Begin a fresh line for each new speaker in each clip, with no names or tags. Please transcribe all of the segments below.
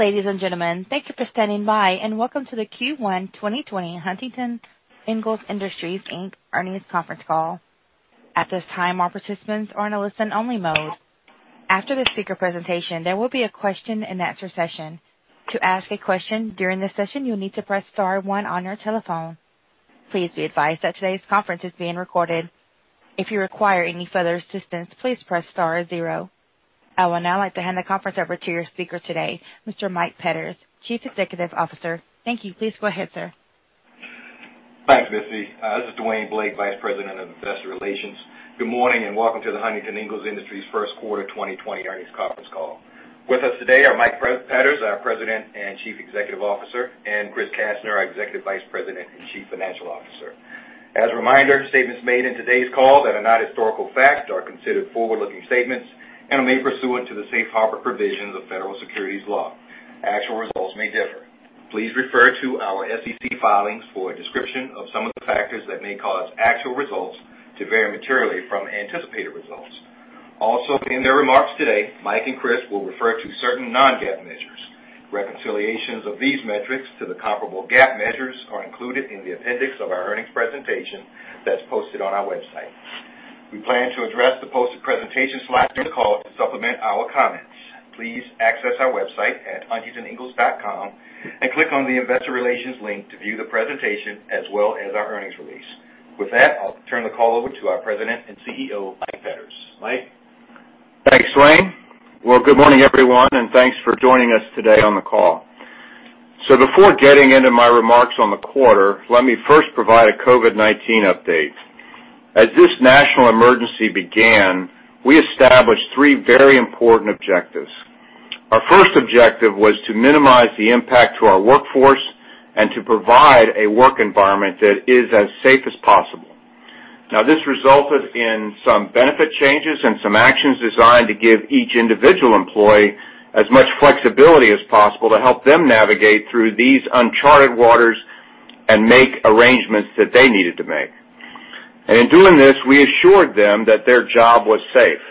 Ladies and gentlemen, thank you for standing by and welcome to the Q1 2020 Huntington Ingalls Industries Inc. earnings conference call. At this time, all participants are in a listen-only mode. After the speaker presentation, there will be a question-and-answer session. To ask a question during the session, you'll need to press star one on your telephone. Please be advised that today's conference is being recorded. If you require any further assistance, please press star zero. I would now like to hand the conference over to your speaker today, Mr. Mike Petters, Chief Executive Officer. Thank you. Please go ahead, sir.
Thanks, Missy. This is Dwayne Blake, Vice President of Investor Relations. Good morning and welcome to the Huntington Ingalls Industries First Quarter 2020 earnings conference call. With us today are Mike Petters, our President and Chief Executive Officer, and Chris Kastner, our Executive Vice President and Chief Financial Officer. As a reminder, statements made in today's call that are not historical facts are considered forward-looking statements and may fall into the safe harbor provisions of federal securities law. Actual results may differ. Please refer to our SEC filings for a description of some of the factors that may cause actual results to vary materially from anticipated results. Also, in their remarks today, Mike and Chris will refer to certain non-GAAP measures. Reconciliations of these metrics to the comparable GAAP measures are included in the appendix of our earnings presentation that's posted on our website. We plan to address the posted presentation slides during the call to supplement our comments. Please access our website at huntingtoningalls.com and click on the Investor Relations link to view the presentation as well as our earnings release. With that, I'll turn the call over to our President and CEO, Mike Petters. Mike.
Thanks, Dwayne. Good morning, everyone, and thanks for joining us today on the call. Before getting into my remarks on the quarter, let me first provide a COVID-19 update. As this national emergency began, we established three very important objectives. Our first objective was to minimize the impact to our workforce and to provide a work environment that is as safe as possible. Now, this resulted in some benefit changes and some actions designed to give each individual employee as much flexibility as possible to help them navigate through these uncharted waters and make arrangements that they needed to make, and in doing this, we assured them that their job was safe.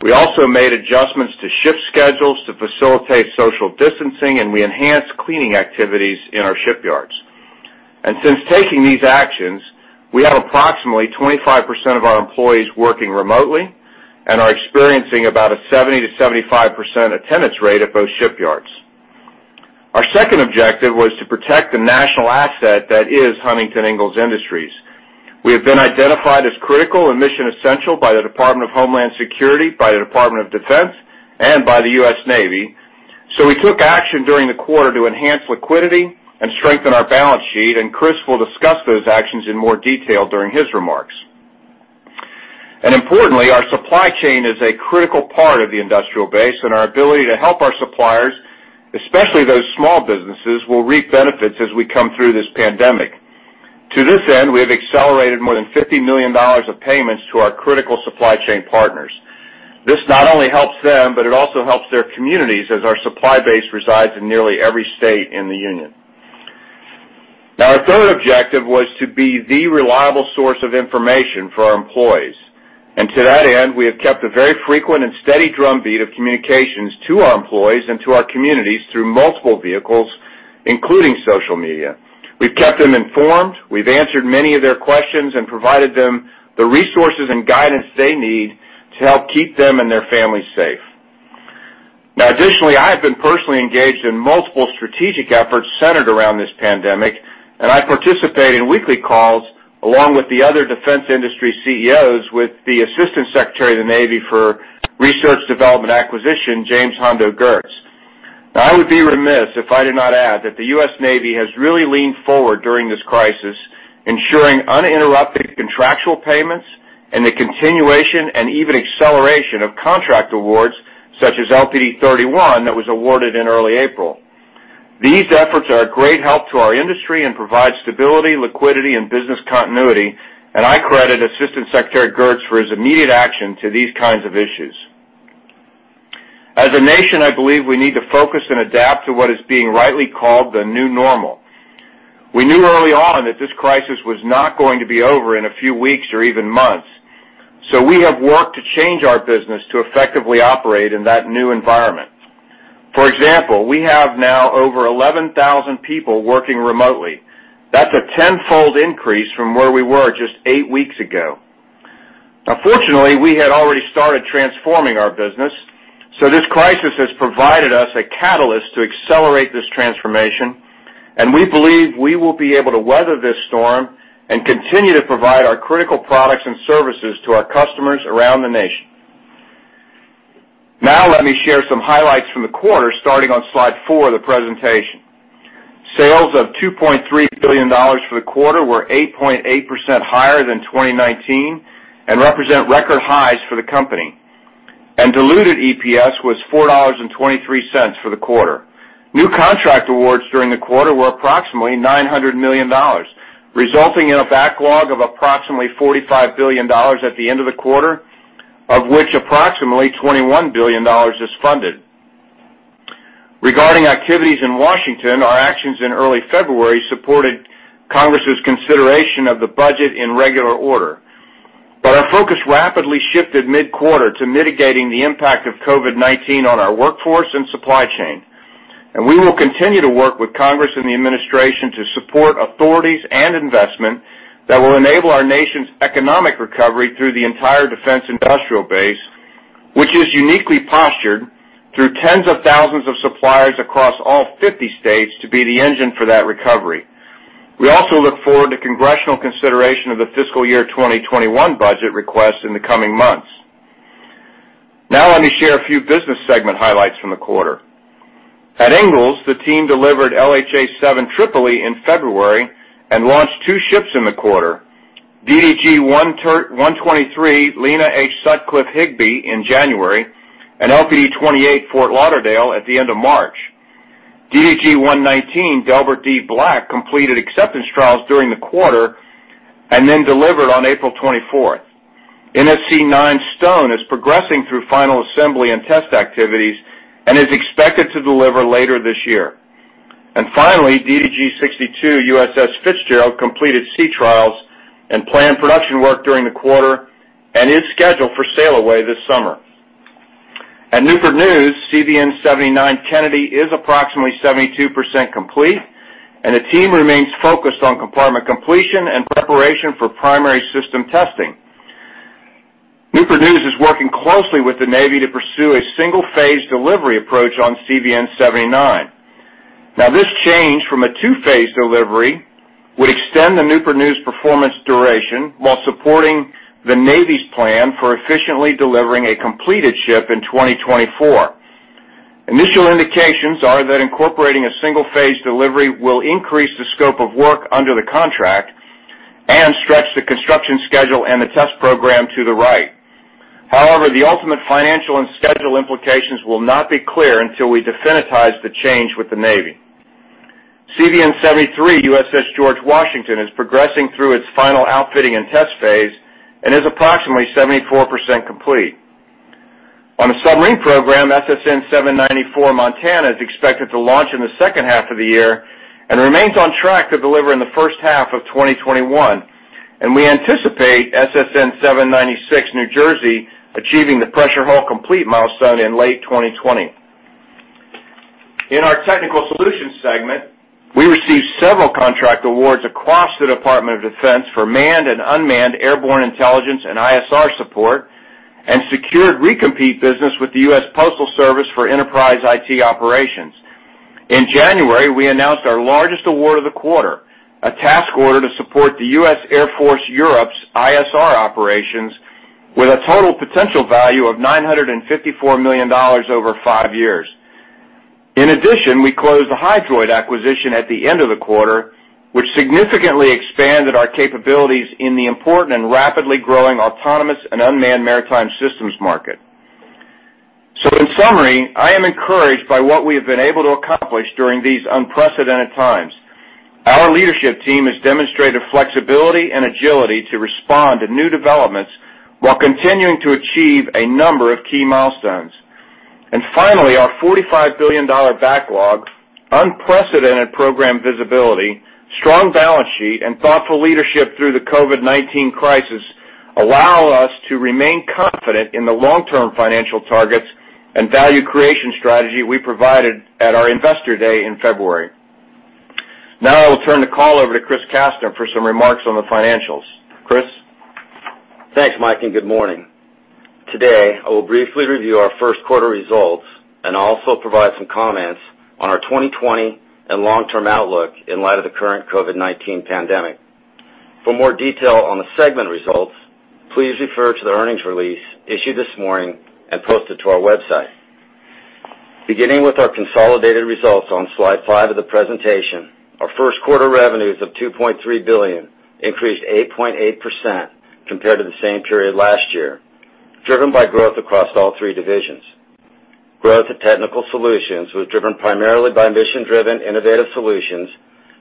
We also made adjustments to shift schedules to facilitate social distancing, and we enhanced cleaning activities in our shipyards. Since taking these actions, we have approximately 25% of our employees working remotely and are experiencing about a 70%-75% attendance rate at those shipyards. Our second objective was to protect the national asset that is Huntington Ingalls Industries. We have been identified as critical and mission essential by the Department of Homeland Security, by the Department of Defense, and by the U.S. Navy. We took action during the quarter to enhance liquidity and strengthen our balance sheet, and Chris will discuss those actions in more detail during his remarks. Importantly, our supply chain is a critical part of the industrial base, and our ability to help our suppliers, especially those small businesses, will reap benefits as we come through this pandemic. To this end, we have accelerated more than $50 million of payments to our critical supply chain partners. This not only helps them, but it also helps their communities as our supply base resides in nearly every state in the union. Now, our third objective was to be the reliable source of information for our employees. And to that end, we have kept a very frequent and steady drumbeat of communications to our employees and to our communities through multiple vehicles, including social media. We've kept them informed. We've answered many of their questions and provided them the resources and guidance they need to help keep them and their families safe. Now, additionally, I have been personally engaged in multiple strategic efforts centered around this pandemic, and I participate in weekly calls along with the other defense industry CEOs with the Assistant Secretary of the Navy for Research Development Acquisition, James "Hondo" Geurts. Now, I would be remiss if I did not add that the U.S. Navy has really leaned forward during this crisis, ensuring uninterrupted contractual payments and the continuation and even acceleration of contract awards such as LPD-31 that was awarded in early April. These efforts are a great help to our industry and provide stability, liquidity, and business continuity, and I credit Assistant Secretary Geurts for his immediate action to these kinds of issues. As a nation, I believe we need to focus and adapt to what is being rightly called the new normal. We knew early on that this crisis was not going to be over in a few weeks or even months, so we have worked to change our business to effectively operate in that new environment. For example, we have now over 11,000 people working remotely. That's a tenfold increase from where we were just eight weeks ago. Now, fortunately, we had already started transforming our business, so this crisis has provided us a catalyst to accelerate this transformation, and we believe we will be able to weather this storm and continue to provide our critical products and services to our customers around the nation. Now, let me share some highlights from the quarter starting on slide four of the presentation. Sales of $2.3 billion for the quarter were 8.8% higher than 2019 and represent record highs for the company, and diluted EPS was $4.23 for the quarter. New contract awards during the quarter were approximately $900 million, resulting in a backlog of approximately $45 billion at the end of the quarter, of which approximately $21 billion is funded. Regarding activities in Washington, our actions in early February supported Congress's consideration of the budget in regular order. But our focus rapidly shifted mid-quarter to mitigating the impact of COVID-19 on our workforce and supply chain. And we will continue to work with Congress and the administration to support authorities and investment that will enable our nation's economic recovery through the entire defense industrial base, which is uniquely postured through tens of thousands of suppliers across all 50 states to be the engine for that recovery. We also look forward to congressional consideration of the fiscal year 2021 budget request in the coming months. Now, let me share a few business segment highlights from the quarter. At Ingalls, the team delivered LHA-7 Tripoli in February and launched two ships in the quarter: DDG-123 Lenah Sutcliffe Higbee in January and LPD-28 Fort Lauderdale at the end of March. DDG-119 Delbert D. Black completed acceptance trials during the quarter and then delivered on April 24th. NSC 9 Stone is progressing through final assembly and test activities and is expected to deliver later this year. Finally, DDG-62 USS Fitzgerald completed sea trials and planned production work during the quarter and is scheduled for sail away this summer. At Newport News, CVN-79 Kennedy is approximately 72% complete, and the team remains focused on compartment completion and preparation for primary system testing. Newport News is working closely with the Navy to pursue a single-phase delivery approach on CVN-79. Now, this change from a two-phase delivery would extend the Newport News' performance duration while supporting the Navy's plan for efficiently delivering a completed ship in 2024. Initial indications are that incorporating a single-phase delivery will increase the scope of work under the contract and stretch the construction schedule and the test program to the right. However, the ultimate financial and schedule implications will not be clear until we definitize the change with the Navy. CVN-73 USS George Washington is progressing through its final outfitting and test phase and is approximately 74% complete. On the submarine program, SSN-794 Montana is expected to launch in the second half of the year and remains on track to deliver in the first half of 2021. We anticipate SSN-796 New Jersey achieving the pressure hull complete milestone in late 2020. In our technical solutions segment, we received several contract awards across the Department of Defense for manned and unmanned airborne intelligence and ISR support and secured recompete business with the U.S. Postal Service for enterprise IT operations. In January, we announced our largest award of the quarter, a task order to support the U.S. Air Forces in Europe's ISR operations with a total potential value of $954 million over five years. In addition, we closed the Hydroid acquisition at the end of the quarter, which significantly expanded our capabilities in the important and rapidly growing autonomous and unmanned maritime systems market. So in summary, I am encouraged by what we have been able to accomplish during these unprecedented times. Our leadership team has demonstrated flexibility and agility to respond to new developments while continuing to achieve a number of key milestones. And finally, our $45 billion backlog, unprecedented program visibility, strong balance sheet, and thoughtful leadership through the COVID-19 crisis allow us to remain confident in the long-term financial targets and value creation strategy we provided at our investor day in February. Now, I will turn the call over to Chris Kastner for some remarks on the financials. Chris.
Thanks, Mike, and good morning. Today, I will briefly review our first quarter results and also provide some comments on our 2020 and long-term outlook in light of the current COVID-19 pandemic. For more detail on the segment results, please refer to the earnings release issued this morning and posted to our website. Beginning with our consolidated results on slide five of the presentation, our first quarter revenues of $2.3 billion increased 8.8% compared to the same period last year, driven by growth across all three divisions. Growth of Technical Solutions was driven primarily by Mission Driven Innovative Solutions,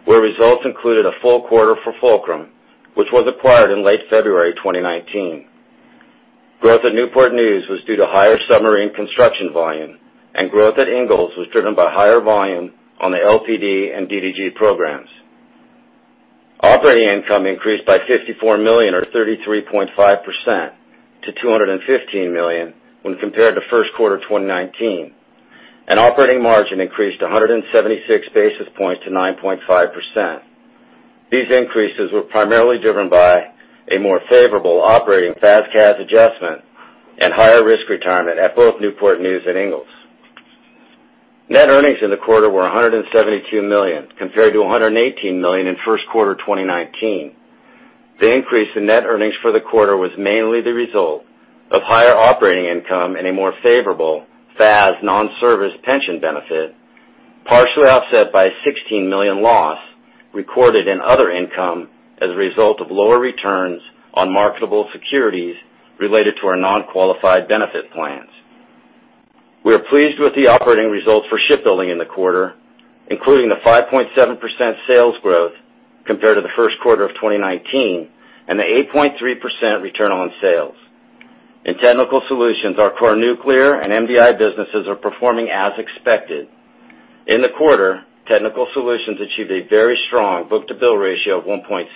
where results included a full quarter for Fulcrum, which was acquired in late February 2019. Growth at Newport News was due to higher submarine construction volume, and growth at Ingalls was driven by higher volume on the LPD and DDG programs. Operating income increased by $54 million, or 33.5%, to $215 million when compared to first quarter 2019. And operating margin increased 176 basis points to 9.5%. These increases were primarily driven by a more favorable operating FAS/CAS adjustment and higher risk retirement at both Newport News and Ingalls. Net earnings in the quarter were $172 million compared to $118 million in first quarter 2019. The increase in net earnings for the quarter was mainly the result of higher operating income and a more favorable FAS non-service pension benefit, partially offset by a $16 million loss recorded in other income as a result of lower returns on marketable securities related to our non-qualified benefit plans. We are pleased with the operating results for shipbuilding in the quarter, including the 5.7% sales growth compared to the first quarter of 2019 and the 8.3% return on sales. In Technical Solutions, our core nuclear and MDIS businesses are performing as expected. In the quarter, Technical Solutions achieved a very strong book-to-bill ratio of 1.6,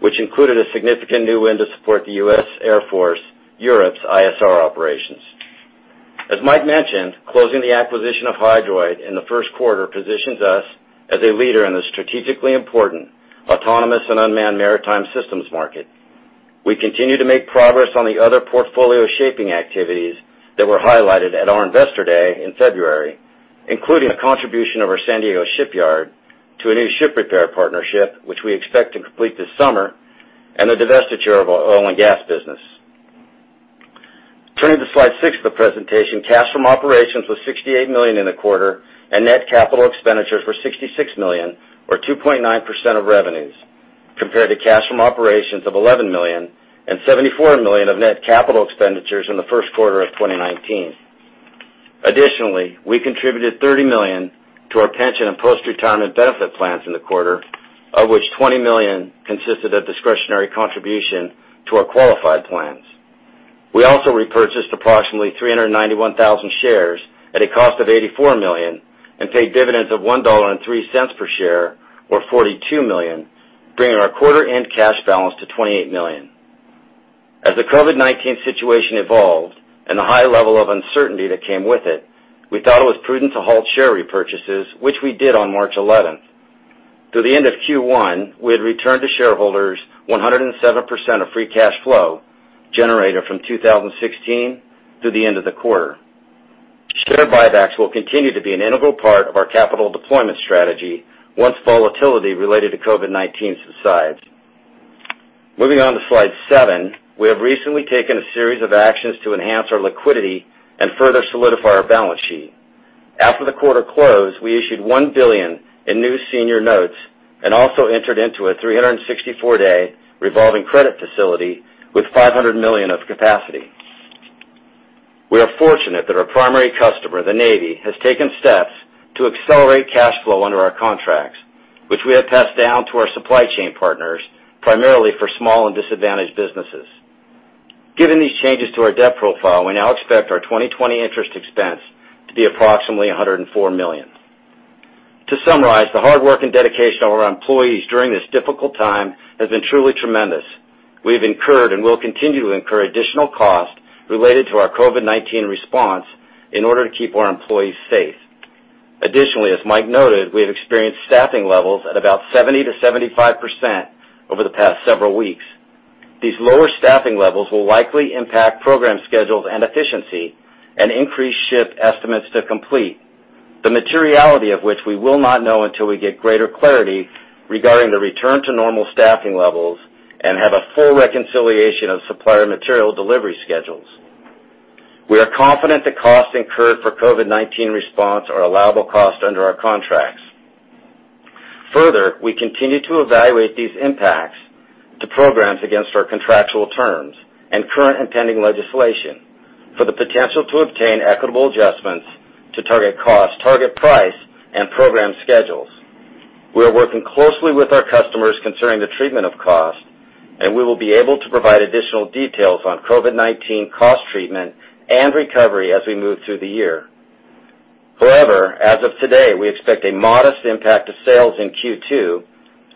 which included a significant new win to support the U.S. Air Force Europe's ISR operations. As Mike mentioned, closing the acquisition of Hydroid in the first quarter positions us as a leader in the strategically important autonomous and unmanned maritime systems market. We continue to make progress on the other portfolio shaping activities that were highlighted at our investor day in February, including the contribution of our San Diego shipyard to a new ship repair partnership, which we expect to complete this summer, and the divestiture of our oil and gas business. Turning to slide six of the presentation, cash from operations was $68 million in the quarter, and net capital expenditures were $66 million, or 2.9% of revenues, compared to cash from operations of $11 million and $74 million of net capital expenditures in the first quarter of 2019. Additionally, we contributed $30 million to our pension and post-retirement benefit plans in the quarter, of which $20 million consisted of discretionary contribution to our qualified plans. We also repurchased approximately 391,000 shares at a cost of $84 million and paid dividends of $1.03 per share, or $42 million, bringing our quarter-end cash balance to $28 million. As the COVID-19 situation evolved and the high level of uncertainty that came with it, we thought it was prudent to halt share repurchases, which we did on March 11th. Through the end of Q1, we had returned to shareholders 107% of free cash flow generated from 2016 through the end of the quarter. Share buybacks will continue to be an integral part of our capital deployment strategy once volatility related to COVID-19 subsides. Moving on to slide seven, we have recently taken a series of actions to enhance our liquidity and further solidify our balance sheet. After the quarter closed, we issued $1 billion in new senior notes and also entered into a 364-day revolving credit facility with $500 million of capacity. We are fortunate that our primary customer, the Navy, has taken steps to accelerate cash flow under our contracts, which we have passed down to our supply chain partners primarily for small and disadvantaged businesses. Given these changes to our debt profile, we now expect our 2020 interest expense to be approximately $104 million. To summarize, the hard work and dedication of our employees during this difficult time has been truly tremendous. We have incurred and will continue to incur additional costs related to our COVID-19 response in order to keep our employees safe. Additionally, as Mike noted, we have experienced staffing levels at about 70%-75% over the past several weeks. These lower staffing levels will likely impact program schedules and efficiency and increase ship estimates to complete, the materiality of which we will not know until we get greater clarity regarding the return to normal staffing levels and have a full reconciliation of supplier material delivery schedules. We are confident the costs incurred for COVID-19 response are allowable costs under our contracts. Further, we continue to evaluate these impacts to programs against our contractual terms and current and pending legislation for the potential to obtain equitable adjustments to target cost, target price, and program schedules. We are working closely with our customers concerning the treatment of cost, and we will be able to provide additional details on COVID-19 cost treatment and recovery as we move through the year. However, as of today, we expect a modest impact of sales in Q2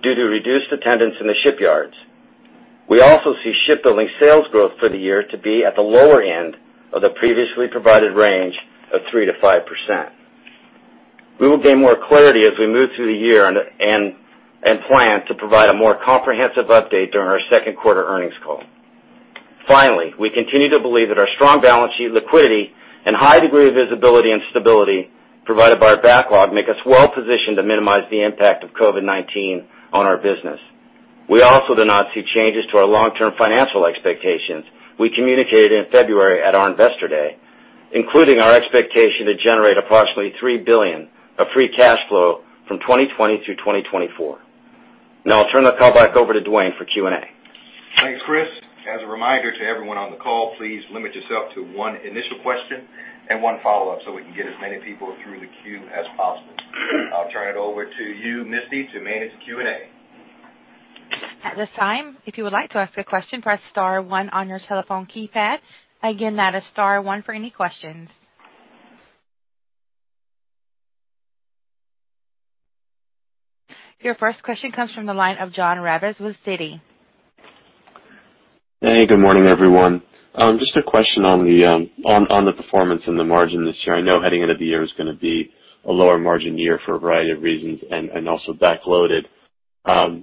due to reduced attendance in the shipyards. We also see shipbuilding sales growth for the year to be at the lower end of the previously provided range of 3%-5%. We will gain more clarity as we move through the year and plan to provide a more comprehensive update during our second quarter earnings call. Finally, we continue to believe that our strong balance sheet liquidity and high degree of visibility and stability provided by our backlog make us well positioned to minimize the impact of COVID-19 on our business. We also do not see changes to our long-term financial expectations we communicated in February at our investor day, including our expectation to generate approximately $3 billion of free cash flow from 2020 through 2024. Now, I'll turn the call back over to Dwayne for Q&A.
Thanks, Chris. As a reminder to everyone on the call, please limit yourself to one initial question and one follow-up so we can get as many people through the queue as possible. I'll turn it over to you, Missy, to manage the Q&A.
At this time, if you would like to ask a question, press star one on your telephone keypad. Again, that is star one for any questions. Your first question comes from the line of Jon Raviv with Citi.
Hey, good morning, everyone. Just a question on the performance and the margin this year. I know heading into the year is going to be a lower margin year for a variety of reasons and also backloaded.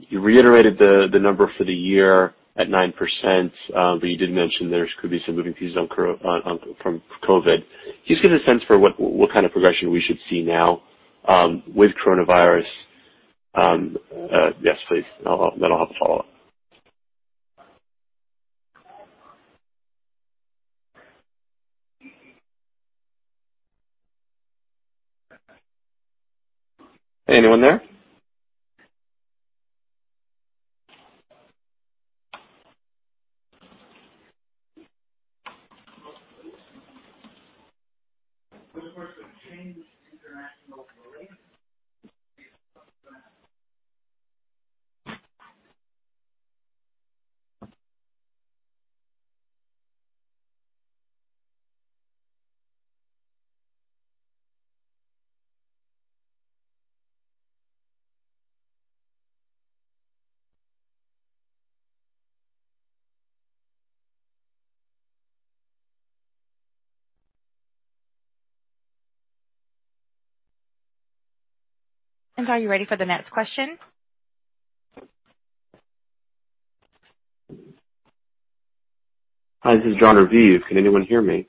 You reiterated the number for the year at 9%, but you did mention there could be some moving pieces from COVID. Can you give us a sense for what kind of progression we should see now with coronavirus? Yes, please. That'll help follow up. Anyone there?
Are you ready for the next question?
Hi, this is Jon Raviv. Can anyone hear me?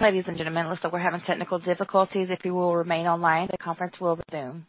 Ladies and gentlemen, it looks like we're having technical difficulties. If you will remain online, the conference will resume.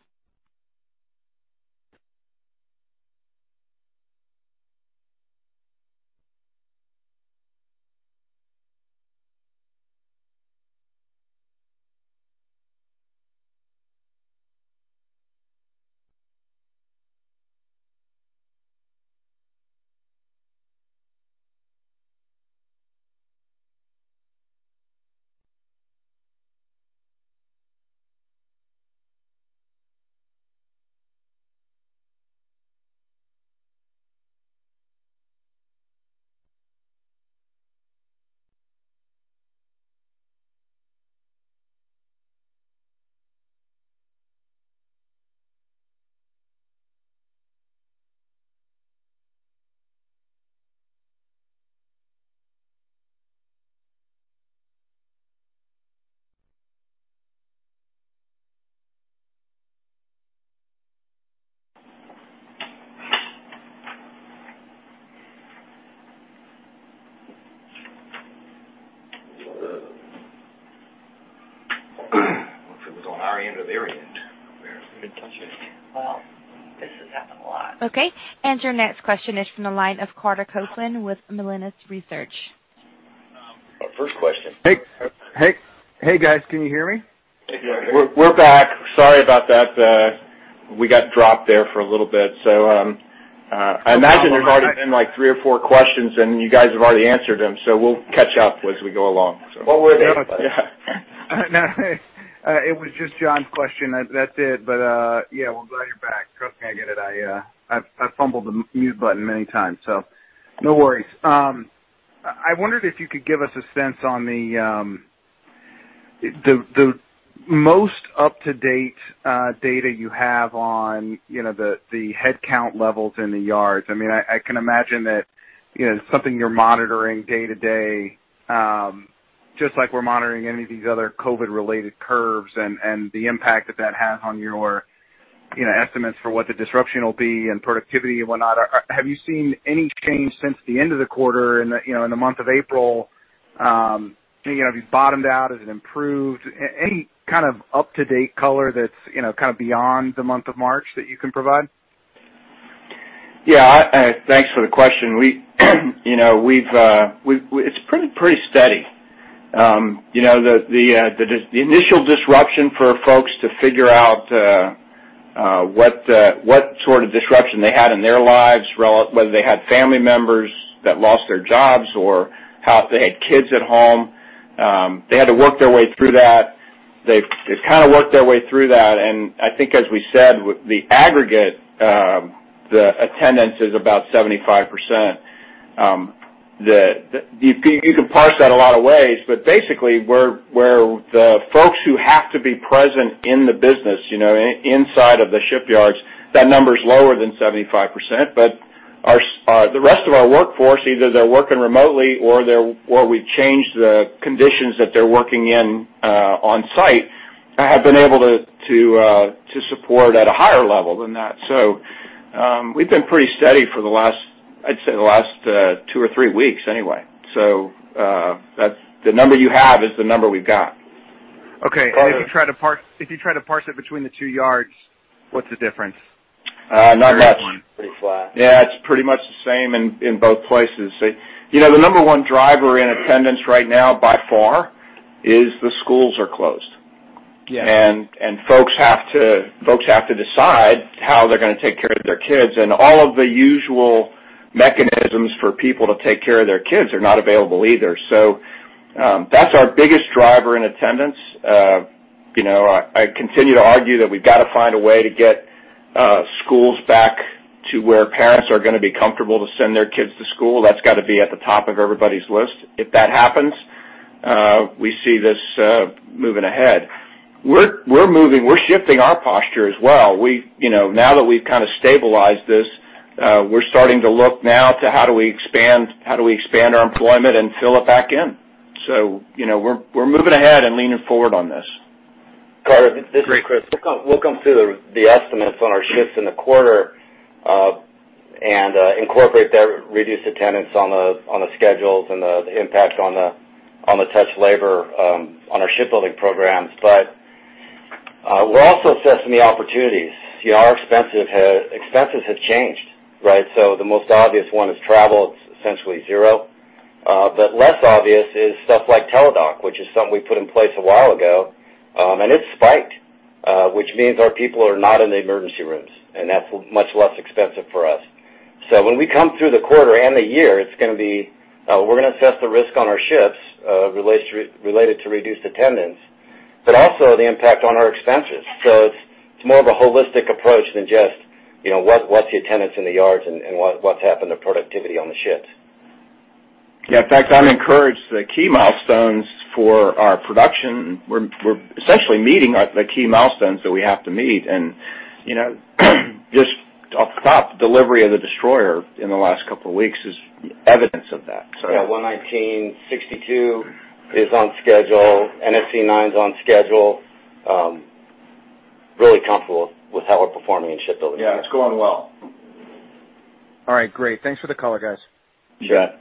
Looks like it was on our end or their end, apparently.
Didn't touch it. This has happened a lot.
Okay. And your next question is from the line of Carter Copeland with Melius Research.
Our first question.
Hey. Hey, guys. Can you hear me?
We're back. Sorry about that. We got dropped there for a little bit. So I imagine there's already been like three or four questions, and you guys have already answered them. So we'll catch up as we go along.
What were they? Yeah.
No, it was just Jon's question. That's it. But yeah, we're glad you're back. Trust me, I get it. I've fumbled the mute button many times, so no worries. I wondered if you could give us a sense on the most up-to-date data you have on the headcount levels in the yards. I mean, I can imagine that it's something you're monitoring day to day, just like we're monitoring any of these other COVID-related curves and the impact that that has on your estimates for what the disruption will be and productivity and whatnot. Have you seen any change since the end of the quarter in the month of April? Have you bottomed out? Has it improved? Any kind of up-to-date color that's kind of beyond the month of March that you can provide?
Yeah. Thanks for the question. It's pretty steady. The initial disruption for folks to figure out what sort of disruption they had in their lives, whether they had family members that lost their jobs or they had kids at home, they had to work their way through that. They've kind of worked their way through that. And I think, as we said, the aggregate attendance is about 75%. You can parse that a lot of ways, but basically, where the folks who have to be present in the business, inside of the shipyards, that number is lower than 75%. But the rest of our workforce, either they're working remotely or we've changed the conditions that they're working in on-site, have been able to support at a higher level than that. So, we've been pretty steady for the last, I'd say, the last two or three weeks anyway. So, the number you have is the number we've got.
Okay. And if you try to parse it between the two yards, what's the difference?
Not much. Pretty flat. Yeah. It's pretty much the same in both places. The number one driver in attendance right now, by far, is that the schools are closed, and folks have to decide how they're going to take care of their kids, and all of the usual mechanisms for people to take care of their kids are not available either, so that's our biggest driver in attendance. I continue to argue that we've got to find a way to get schools back to where parents are going to be comfortable to send their kids to school. That's got to be at the top of everybody's list. If that happens, we see this moving ahead. We're shifting our posture as well. Now that we've kind of stabilized this, we're starting to look now to how do we expand our employment and fill it back in, so we're moving ahead and leaning forward on this.
This is Chris. We'll come through the estimates on our shifts in the quarter and incorporate that reduced attendance on the schedules and the impact on the touch labor on our shipbuilding programs, but we're also assessing the opportunities. Our expenses have changed, right, so the most obvious one is travel. It's essentially zero, but less obvious is stuff like Teladoc, which is something we put in place a while ago, and it's spiked, which means our people are not in the emergency rooms, and that's much less expensive for us. So when we come through the quarter and the year, it's going to be we're going to assess the risk on our ships related to reduced attendance, but also the impact on our expenses, so it's more of a holistic approach than just what's the attendance in the yards and what's happened to productivity on the ships.
Yeah. In fact, I'm encouraged. The key milestones for our production, we're essentially meeting the key milestones that we have to meet. And just off the top, delivery of the destroyer in the last couple of weeks is evidence of that.
Yeah. 119, 62 is on schedule. NSC 9 is on schedule. Really comfortable with how we're performing in shipbuilding.
Yeah. It's going well.
All right. Great. Thanks for the color, guys.
Check.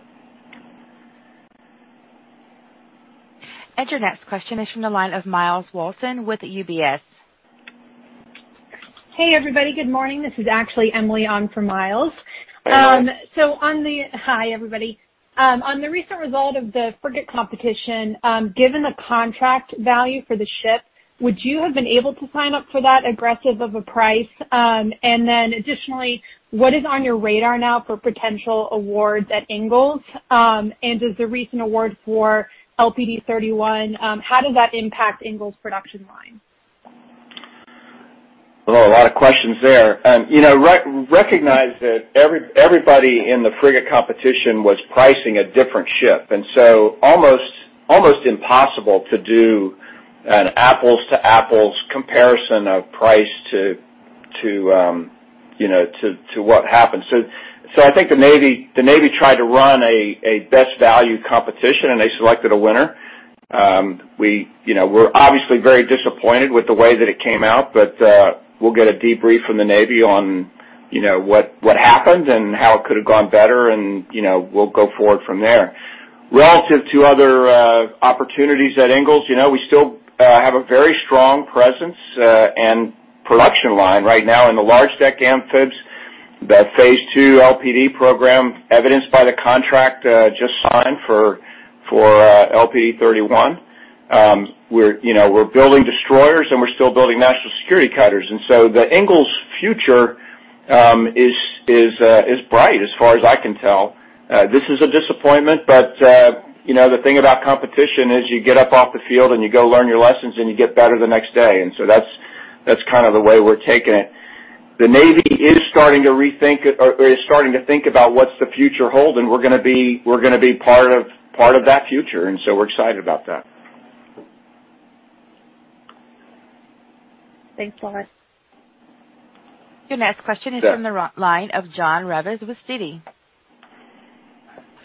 Your next question is from the line of Myles Walton with UBS.
Hey, everybody. Good morning. This is actually Emily on for Myles. So, hi, everybody. On the recent result of the frigate competition, given the contract value for the ship, would you have been able to sign up for that aggressive of a price? And then additionally, what is on your radar now for potential awards at Ingalls? And does the recent award for LPD-31, how does that impact Ingalls' production line?
A lot of questions there. Recognize that everybody in the frigate competition was pricing a different ship, so almost impossible to do an apples-to-apples comparison of price to what happened. I think the Navy tried to run a best value competition, and they selected a winner. We're obviously very disappointed with the way that it came out, but we'll get a debrief from the Navy on what happened and how it could have gone better, and we'll go forward from there. Relative to other opportunities at Ingalls, we still have a very strong presence and production line right now in the large deck amphibs, the phase two LPD program, evidenced by the contract just signed for LPD-31. We're building destroyers, and we're still building national security cutters. The Ingalls' future is bright as far as I can tell. This is a disappointment, but the thing about competition is you get up off the field and you go learn your lessons and you get better the next day, and so that's kind of the way we're taking it. The Navy is starting to rethink or is starting to think about what's the future holding. We're going to be part of that future, and so we're excited about that.
Thanks so much.
Your next question is from the line of Jonathan Raviv with Citi.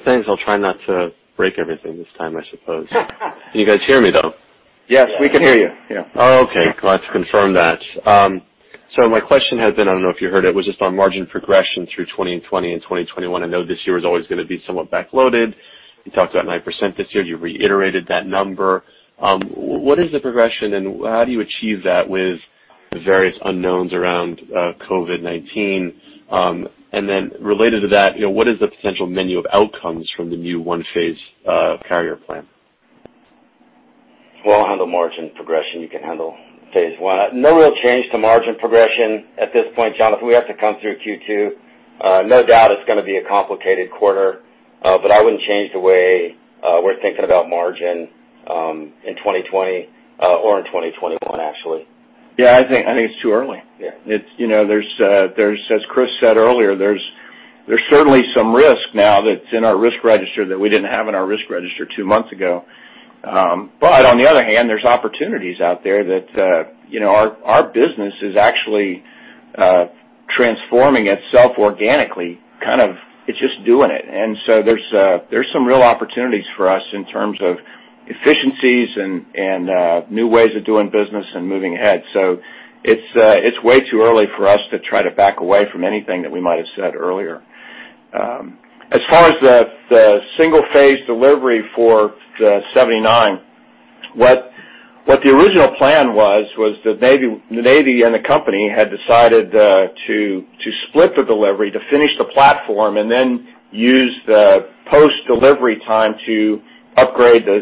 Thanks. I'll try not to break everything this time, I suppose. Can you guys hear me, though?
Yes, we can hear you.
Oh, okay. Glad to confirm that. So my question had been, I don't know if you heard it, was just on margin progression through 2020 and 2021. I know this year is always going to be somewhat backloaded. You talked about 9% this year. You reiterated that number. What is the progression, and how do you achieve that with the various unknowns around COVID-19? And then related to that, what is the potential menu of outcomes from the new one-phase carrier plan?
I'll handle margin progression. You can handle phase one. No real change to margin progression at this point, John. If we have to come through Q2, no doubt it's going to be a complicated quarter. But I wouldn't change the way we're thinking about margin in 2020 or in 2021, actually.
Yeah. I think it's too early. As Chris said earlier, there's certainly some risk now that's in our risk register that we didn't have in our risk register two months ago. But on the other hand, there's opportunities out there that our business is actually transforming itself organically. Kind of it's just doing it. And so, there's some real opportunities for us in terms of efficiencies and new ways of doing business and moving ahead. So, it's way too early for us to try to back away from anything that we might have said earlier. As far as the single-phase delivery for the 79, what the original plan was, was the Navy and the company had decided to split the delivery, to finish the platform, and then use the post-delivery time to upgrade or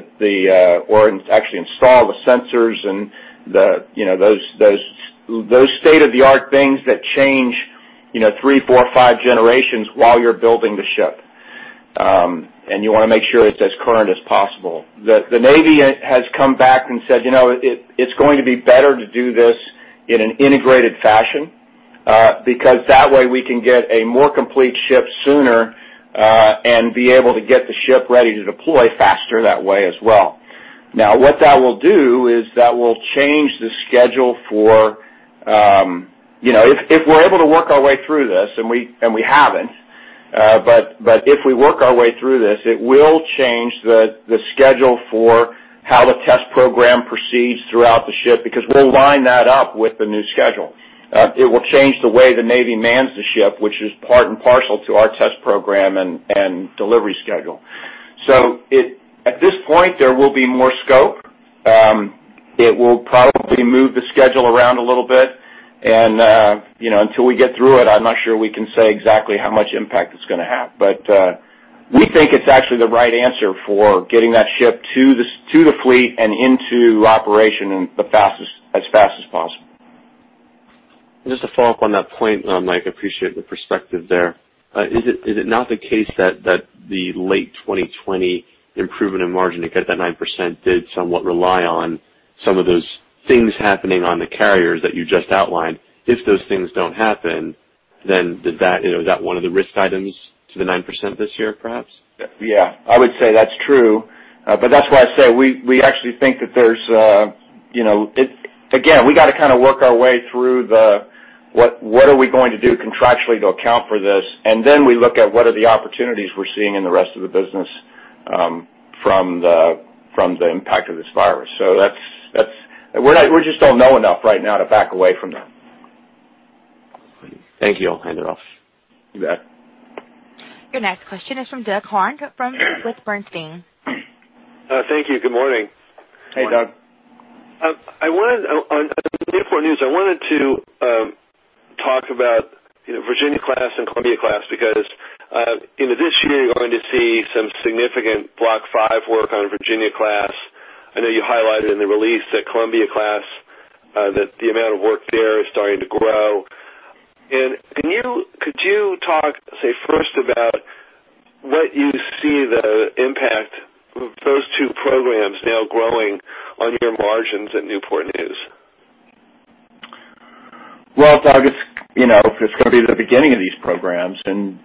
actually install the sensors and those state-of-the-art things that change three, four, five generations while you're building the ship. And you want to make sure it's as current as possible. The Navy has come back and said, "It's going to be better to do this in an integrated fashion because that way we can get a more complete ship sooner and be able to get the ship ready to deploy faster that way as well." Now, what that will do is that will change the schedule for if we're able to work our way through this, and we haven't, but if we work our way through this, it will change the schedule for how the test program proceeds throughout the ship because we'll line that up with the new schedule. It will change the way the Navy mans the ship, which is part and parcel to our test program and delivery schedule. So, at this point, there will be more scope. It will probably move the schedule around a little bit. Until we get through it, I'm not sure we can say exactly how much impact it's going to have. We think it's actually the right answer for getting that ship to the fleet and into operation as fast as possible.
Just to follow up on that point, Mike, I appreciate the perspective there. Is it not the case that the late 2020 improvement in margin to get that 9% did somewhat rely on some of those things happening on the carriers that you just outlined? If those things don't happen, then is that one of the risk items to the 9% this year, perhaps?
Yeah. I would say that's true, but that's why I say we actually think that there's again, we got to kind of work our way through what are we going to do contractually to account for this, and then we look at what are the opportunities we're seeing in the rest of the business from the impact of this virus, so we just don't know enough right now to back away from that.
Thank you. I'll hand it off.
You bet.
Your next question is from Douglas Harned from Bernstein.
Thank you. Good morning.
Hey, Doug.
On the important news, I wanted to talk about Virginia-class and Columbia-class because this year, you're going to see some significant Block V work on Virginia-class. I know you highlighted in the release that Columbia-class, that the amount of work there is starting to grow. And could you talk, say, first about what you see the impact of those two programs now growing on your margins at Newport News?
Well, Doug, it's going to be the beginning of these programs. And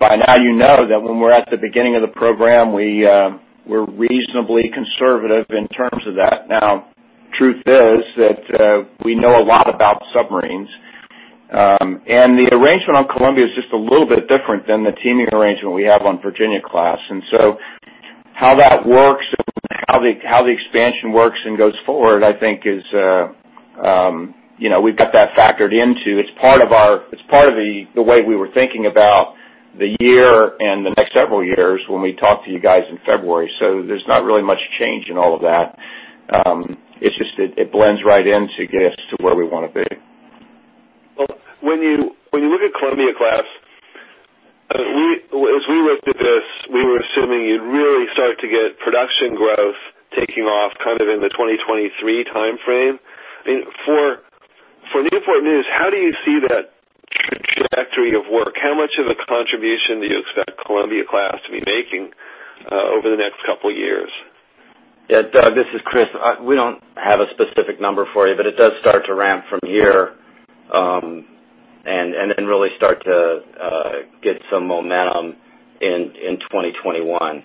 by now, you know that when we're at the beginning of the program, we're reasonably conservative in terms of that. Now, truth is that we know a lot about submarines. And the arrangement on Columbia-class is just a little bit different than the teaming arrangement we have on Virginia-class. And so how that works and how the expansion works and goes forward, I think, is we've got that factored into. It's part of the way we were thinking about the year and the next several years when we talked to you guys in February. So, there's not really much change in all of that. It's just that it blends right in to get us to where we want to be.
When you look at Columbia-class, as we looked at this, we were assuming you'd really start to get production growth taking off kind of in the 2023 timeframe. For Newport News, how do you see that trajectory of work? How much of a contribution do you expect Columbia-class to be making over the next couple of years?
Yeah. Doug, this is Chris. We don't have a specific number for you, but it does start to ramp from here and then really start to get some momentum in 2021.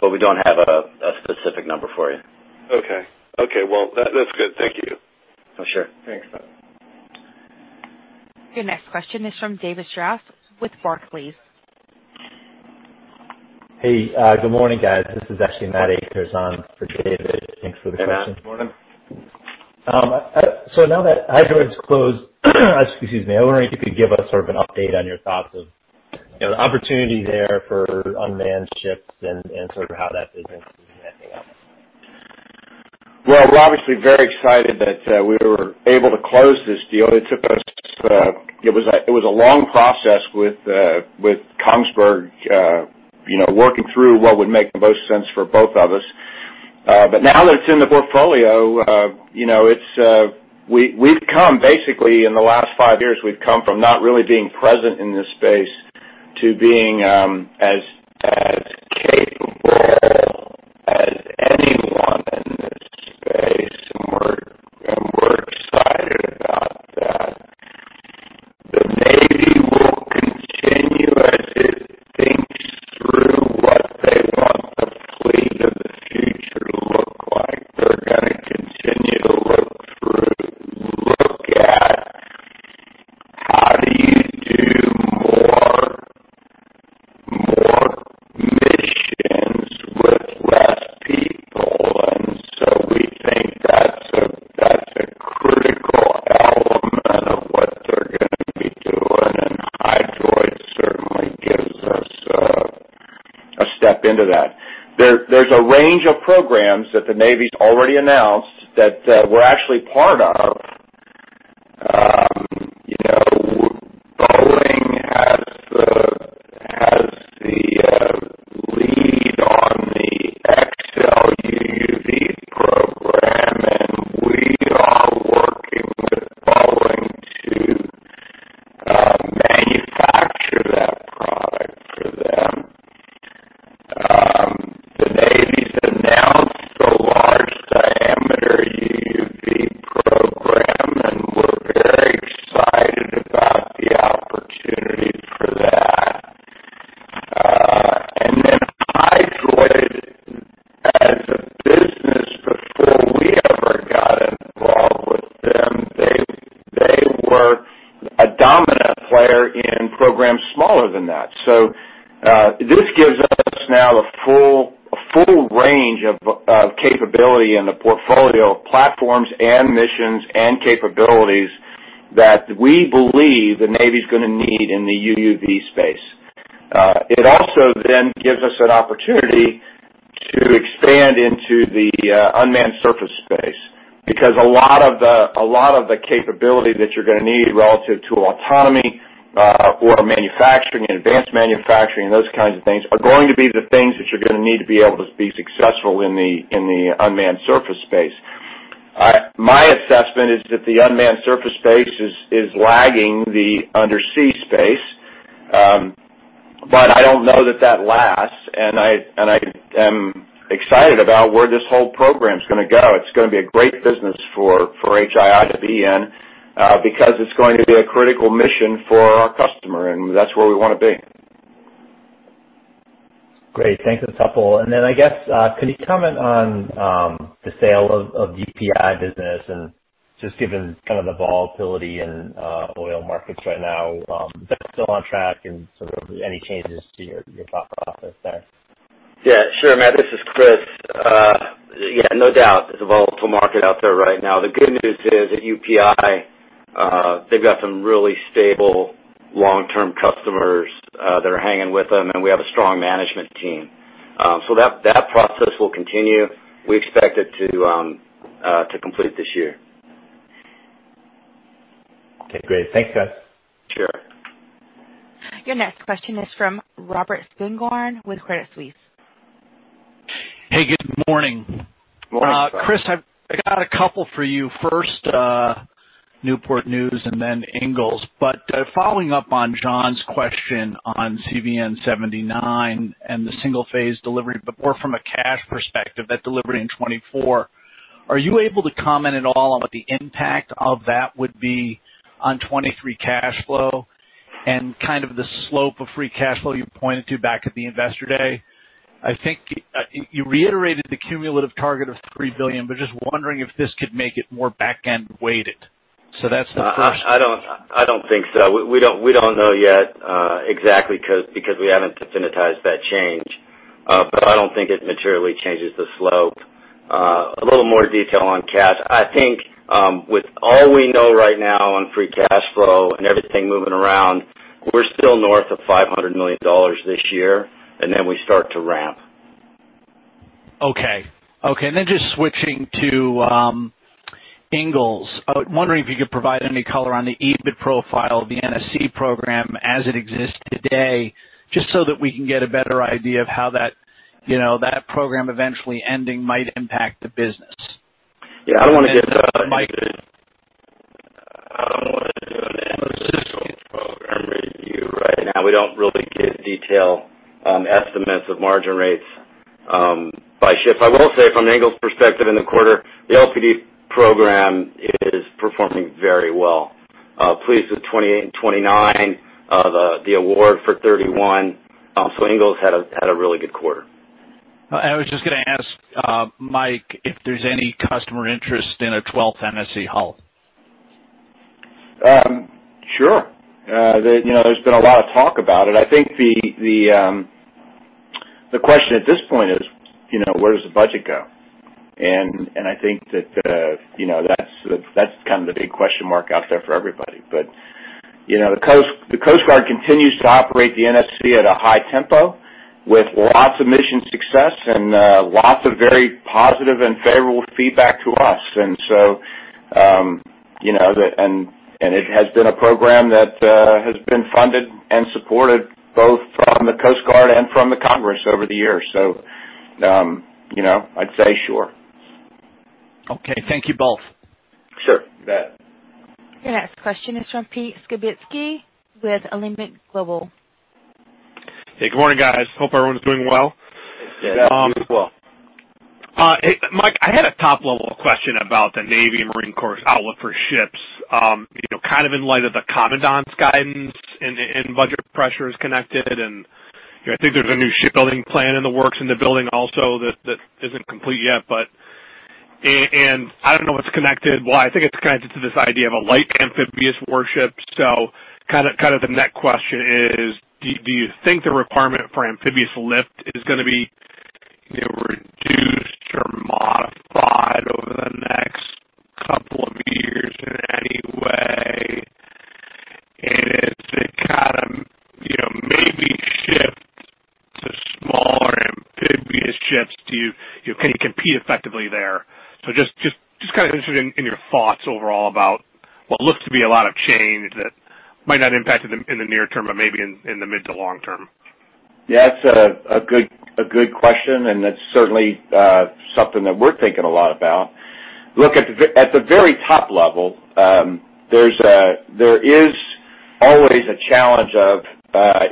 But we don't have a specific number for you.
Okay. Well, that's good. Thank you.
Oh, sure.
Thanks, Doug.
Your next question is from David Strauss with Barclays.
Hey. Good morning, guys. This is actually Matt Akers on for David. Thanks for the question.
Good morning.
So now that Hydroid is closed, excuse me, I wonder if you could give us sort of an update on your thoughts of the opportunity there for unmanned ships and sort of how that business is handling it.
We're obviously very excited that we were able to close this deal. It took us. It was a long process with Kongsberg working through what would make the most sense for both of us. Now that it's in the portfolio, we've come basically in the last five years. We've come from not really being present in this space to being as capable as Boeing has the lead on the XLUUV program, and we are working with Boeing to manufacture that product for them. The Navy's announced the large diameter UUV program, and we're very excited about the opportunity for that, and then Hydroid, as a business, before we ever got involved with them, they were a dominant player in programs smaller than that, so this gives us now a full range of capability in the portfolio of platforms and missions and capabilities that we believe the Navy's going to need in the UUV space. It also then gives us an opportunity to expand into the unmanned surface space because a lot of the capability that you're going to need relative to autonomy or manufacturing and advanced manufacturing and those kinds of things are going to be the things that you're going to need to be able to be successful in the unmanned surface space. My assessment is that the unmanned surface space is lagging the undersea space, but I don't know that that lasts. And I am excited about where this whole program's going to go. It's going to be a great business for HII to be in because it's going to be a critical mission for our customer, and that's where we want to be.
Great. Thanks, it's helpful, and then I guess, can you comment on the sale of UPI business and just given kind of the volatility in oil markets right now? Is that still on track and sort of any changes to your thought process there?
Yeah. Sure, Matt. This is Chris. Yeah. No doubt. It's a volatile market out there right now. The good news is that UPI, they've got some really stable long-term customers that are hanging with them, and we have a strong management team. So, that process will continue. We expect it to complete this year.
Okay. Great. Thanks, guys.
Sure.
Your next question is from Robert Spingarn with Credit Suisse.
Hey, good morning.
Morning, Chris.
Chris, I got a couple for you. First, Newport News and then Ingalls. But following up on Jon's question on CVN-79 and the single-phase delivery, but more from a cash perspective, that delivery in 2024, are you able to comment at all on what the impact of that would be on 2023 cash flow and kind of the slope of free cash flow you pointed to back at the investor day? I think you reiterated the cumulative target of $3 billion, but just wondering if this could make it more back-end weighted. So, that's the first.
I don't think so. We don't know yet exactly because we haven't definitized that change. But I don't think it materially changes the slope. A little more detail on cash. I think with all we know right now on free cash flow and everything moving around, we're still north of $500 million this year, and then we start to ramp.
Okay. And then just switching to Ingalls, I was wondering if you could provide any color on the EBIT profile of the NSC program as it exists today, just so that we can get a better idea of how that program eventually ending might impact the business?
Yeah. I don't want to get-.
Mike.
I don't want to do an analytics program review right now. We don't really get detailed estimates of margin rates by ship. I will say from Ingalls' perspective in the quarter, the LPD program is performing very well. Pleased with LPD-28 and LPD-29, the award for LPD-31. So, Ingalls had a really good quarter.
I was just going to ask Mike if there's any customer interest in a 12th NSC hull.
Sure. There's been a lot of talk about it. I think the question at this point is, where does the budget go? And I think that that's kind of the big question mark out there for everybody. But the Coast Guard continues to operate the NSC at a high tempo with lots of mission success and lots of very positive and favorable feedback to us. And so it has been a program that has been funded and supported both from the Coast Guard and from the Congress over the years. So, I'd say, sure.
Okay. Thank you both.
Sure. That.
Your next question is from Peter Skibitski with Alembic Global Advisors.
Hey, good morning, guys. Hope everyone's doing well.
Yes. You as well.
Mike, I had a top-level question about the Navy Marine Corps' outlook for ships, kind of in light of the commandant's guidance and budget pressures connected. I think there's a new shipbuilding plan in the works in the building also that isn't complete yet. I don't know if it's connected. I think it's connected to this idea of a light amphibious warship. So, kind of the next question is, do you think the requirement for amphibious lift is going to be reduced or modified over the next couple of years in any way? And is it kind of maybe shift to smaller amphibious ships? Can you compete effectively there? So, just kind of interested in your thoughts overall about what looks to be a lot of change that might not impact it in the near term, but maybe in the mid to long term.
Yeah. That's a good question, and that's certainly something that we're thinking a lot about. Look, at the very top level, there is always a challenge of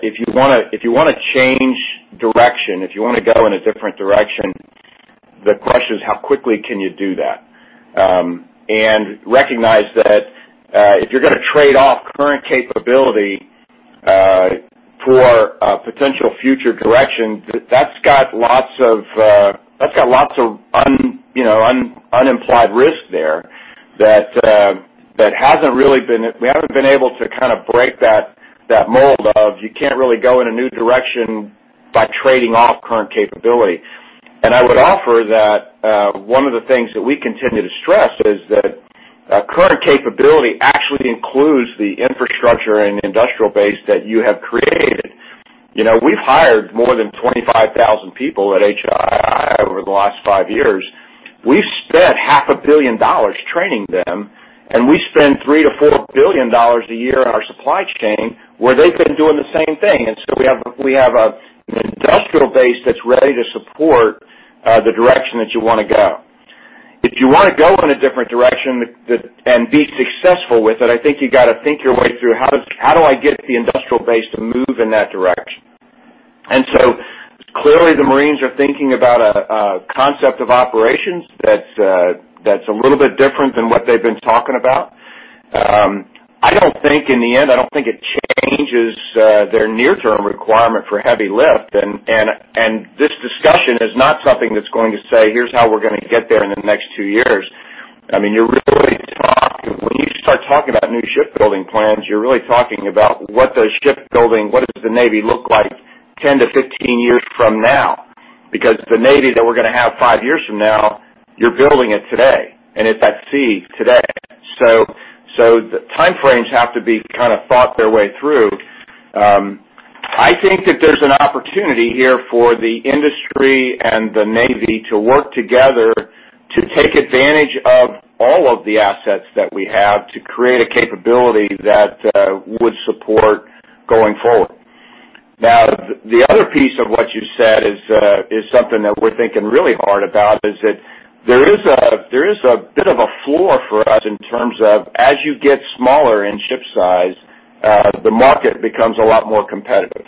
if you want to change direction, if you want to go in a different direction, the question is, how quickly can you do that? And recognize that if you're going to trade off current capability for potential future direction, that's got lots of unimplied risk there that hasn't really been. We haven't been able to kind of break that mold of you can't really go in a new direction by trading off current capability. And I would offer that one of the things that we continue to stress is that current capability actually includes the infrastructure and the industrial base that you have created. We've hired more than 25,000 people at HII over the last five years. We've spent $500 million training them, and we spend $3 billion-$4 billion a year on our supply chain where they've been doing the same thing. And so, we have an industrial base that's ready to support the direction that you want to go. If you want to go in a different direction and be successful with it, I think you got to think your way through, how do I get the industrial base to move in that direction? And so clearly, the Marines are thinking about a concept of operations that's a little bit different than what they've been talking about. I don't think in the end, I don't think it changes their near-term requirement for heavy lift. And this discussion is not something that's going to say, here's how we're going to get there in the next two years. I mean, you're really talking when you start talking about new shipbuilding plans, you're really talking about what does shipbuilding, what does the Navy look like 10-15 years from now? Because the Navy that we're going to have five years from now, you're building it today, and it's at sea today. So, the timeframes have to be kind of thought their way through. I think that there's an opportunity here for the industry and the Navy to work together to take advantage of all of the assets that we have to create a capability that would support going forward. Now, the other piece of what you said is something that we're thinking really hard about is that there is a bit of a floor for us in terms of as you get smaller in ship size, the market becomes a lot more competitive.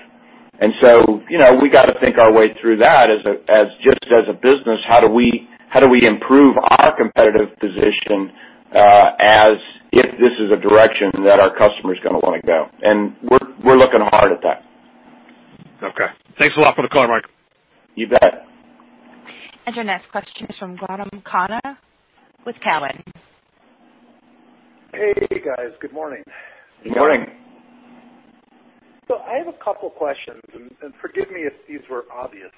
And so we got to think our way through that just as a business. How do we improve our competitive position if this is a direction that our customer's going to want to go? And we're looking hard at that.
Okay. Thanks a lot for the color, Mike.
You bet.
Your next question is from Gautam Khanna with Cowen.
Hey, guys. Good morning.
Good morning.
So, I have a couple of questions, and forgive me if these were obvious.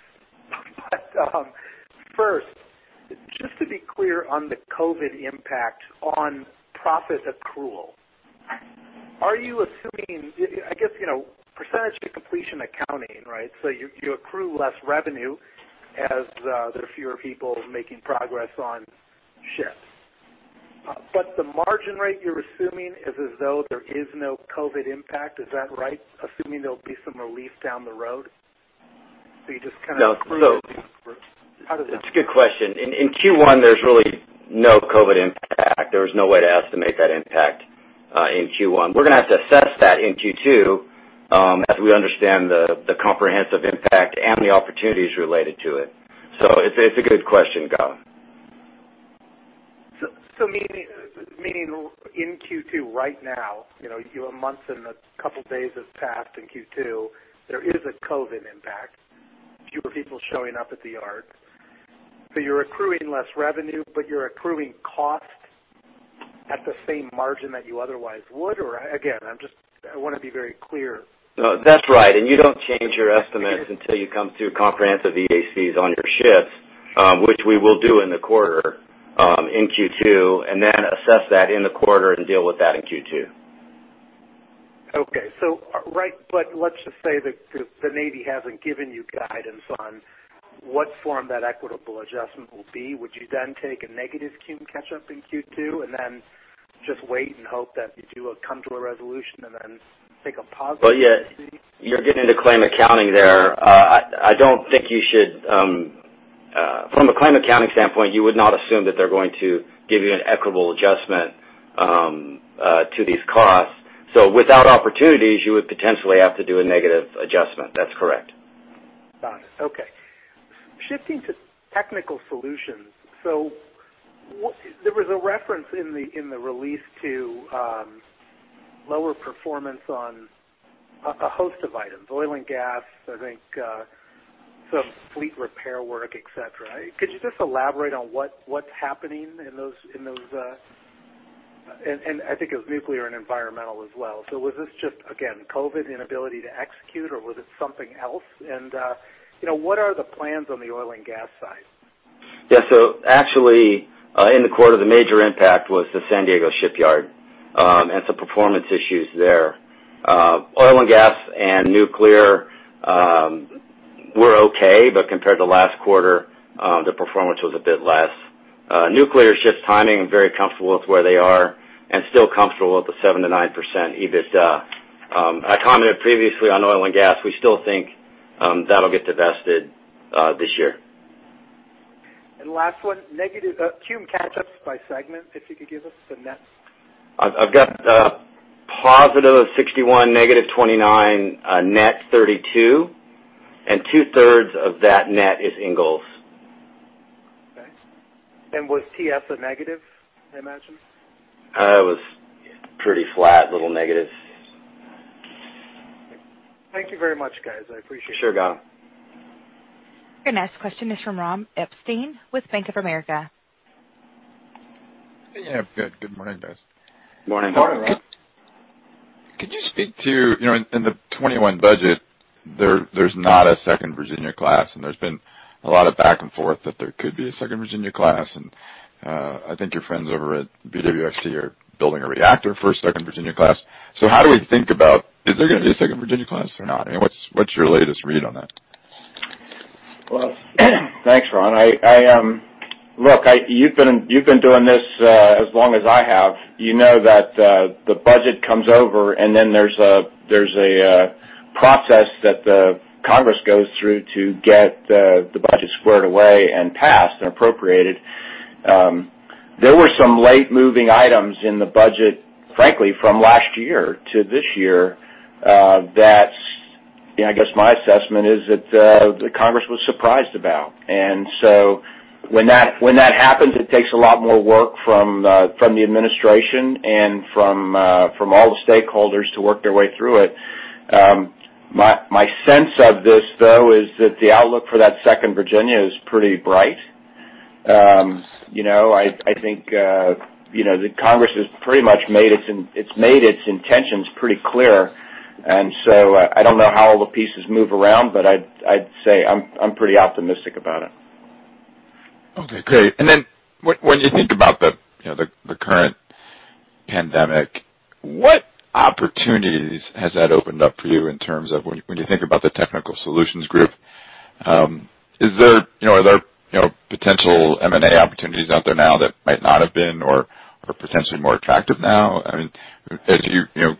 But first, just to be clear on the COVID impact on profit accrual, are you assuming I guess percentage of completion accounting, right? So, you accrue less revenue as there are fewer people making progress on ship. But the margin rate you're assuming is as though there is no COVID impact. Is that right, assuming there'll be some relief down the road? So, you just kind of.
No.
How does that?
It's a good question. In Q1, there's really no COVID impact. There was no way to estimate that impact in Q1. We're going to have to assess that in Q2 as we understand the comprehensive impact and the opportunities related to it. So, it's a good question, Gautam.
So, meaning in Q2 right now, a month and a couple of days have passed in Q2. There is a COVID impact, fewer people showing up at the yards. So, you're accruing less revenue, but you're accruing cost at the same margin that you otherwise would? Or again, I want to be very clear.
That's right. And you don't change your estimates until you come through comprehensive EACs on your ships, which we will do in the quarter in Q2, and then assess that in the quarter and deal with that in Q2.
Okay. So, right, but let's just say that the Navy hasn't given you guidance on what form that equitable adjustment will be. Would you then take a negative cum catch-up in Q2 and then just wait and hope that you do come to a resolution and then take a positive?
Well, yeah. You're getting to claim accounting there. I don't think you should from a claim accounting standpoint, you would not assume that they're going to give you an equitable adjustment to these costs. So, without opportunities, you would potentially have to do a negative adjustment. That's correct.
Got it. Okay. Shifting to technical solutions. So, there was a reference in the release to lower performance on a host of items, oil and gas, I think, some fleet repair work, etc. Could you just elaborate on what's happening in those? And I think it was nuclear and environmental as well. So, was this just, again, COVID inability to execute, or was it something else? And what are the plans on the oil and gas side?
Yeah. So, actually, in the quarter, the major impact was the San Diego shipyard, and some performance issues there. Oil and gas and nuclear were okay, but compared to last quarter, the performance was a bit less. Nuclear ships timing and very comfortable with where they are and still comfortable at the 7%-9% EBITDA. I commented previously on oil and gas. We still think that'll get divested this year.
Last one, cum catch-ups by segment, if you could give us the net.
I've got positive 61, negative 29, net 32, and two-thirds of that net is Ingalls.
Okay, and was TS a negative, I imagine?
It was pretty flat, little negatives.
Thank you very much, guys. I appreciate it.
Sure, Gautam.
Your next question is from Ronald Epstein with Bank of America.
Hey, good morning, guys.
Good morning.
Morning, Ron.
Could you speak to in the 2021 budget, there's not a second Virginia-class, and there's been a lot of back and forth that there could be a second Virginia-class. And I think your friends over at BWXT are building a reactor for a second Virginia-class. So, how do we think about is there going to be a second Virginia-class or not? I mean, what's your latest read on that?
Thanks, Ron. Look, you've been doing this as long as I have. You know that the budget comes over, and then there's a process that the Congress goes through to get the budget squared away and passed and appropriated. There were some late-moving items in the budget, frankly, from last year to this year that, I guess my assessment is that the Congress was surprised about. And so when that happens, it takes a lot more work from the administration and from all the stakeholders to work their way through it. My sense of this, though, is that the outlook for that second Virginia is pretty bright. I think the Congress has pretty much made its intentions pretty clear. And so I don't know how all the pieces move around, but I'd say I'm pretty optimistic about it.
Okay. Great. And then when you think about the current pandemic, what opportunities has that opened up for you in terms of when you think about the Technical Solutions group? Are there potential M&A opportunities out there now that might not have been or are potentially more attractive now? I mean,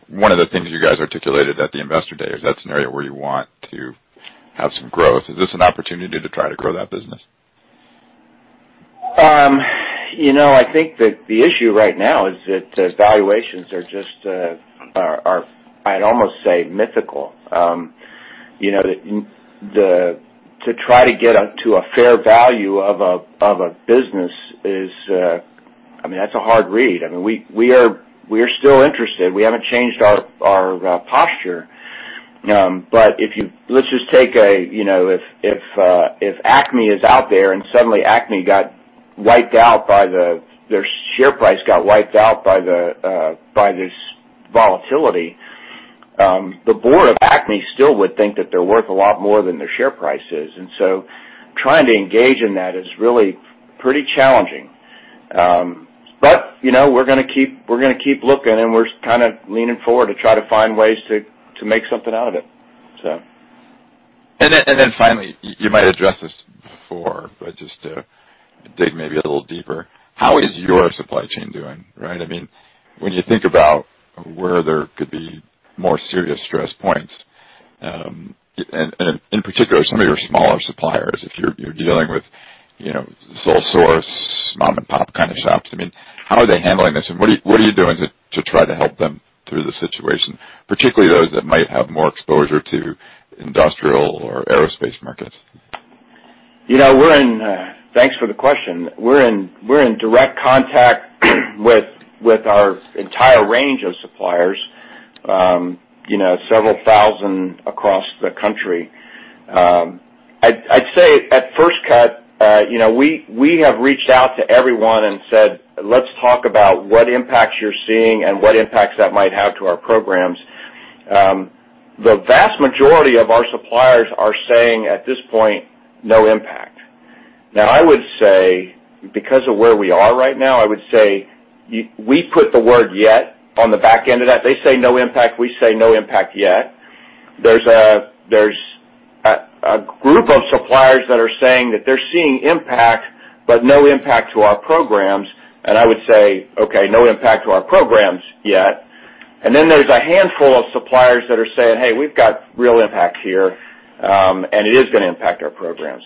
one of the things you guys articulated at the investor day is that scenario where you want to have some growth. Is this an opportunity to try to grow that business?
I think that the issue right now is that valuations are just, I'd almost say, mythical. To try to get to a fair value of a business is, I mean, that's a hard read. I mean, we are still interested. We haven't changed our posture. But let's just take, if Acme is out there and suddenly Acme got wiped out by their share price got wiped out by this volatility, the board of Acme still would think that they're worth a lot more than their share price is. And so trying to engage in that is really pretty challenging. But we're going to keep looking, and we're kind of leaning forward to try to find ways to make something out of it, so.
And then finally, you might address this before, but just to dig maybe a little deeper, how is your supply chain doing, right? I mean, when you think about where there could be more serious stress points, and in particular, some of your smaller suppliers, if you're dealing with the sole-source, mom-and-pop kind of shops, I mean, how are they handling this? And what are you doing to try to help them through the situation, particularly those that might have more exposure to industrial or aerospace markets?
Thanks for the question. We're in direct contact with our entire range of suppliers, several thousand across the country. I'd say at first cut, we have reached out to everyone and said, "Let's talk about what impacts you're seeing and what impacts that might have to our programs." The vast majority of our suppliers are saying, at this point, no impact. Now, I would say, because of where we are right now, I would say we put the word yet on the back end of that. They say no impact. We say no impact yet. There's a group of suppliers that are saying that they're seeing impact, but no impact to our programs. I would say, "Okay, no impact to our programs yet." And then there's a handful of suppliers that are saying, "Hey, we've got real impact here, and it is going to impact our programs."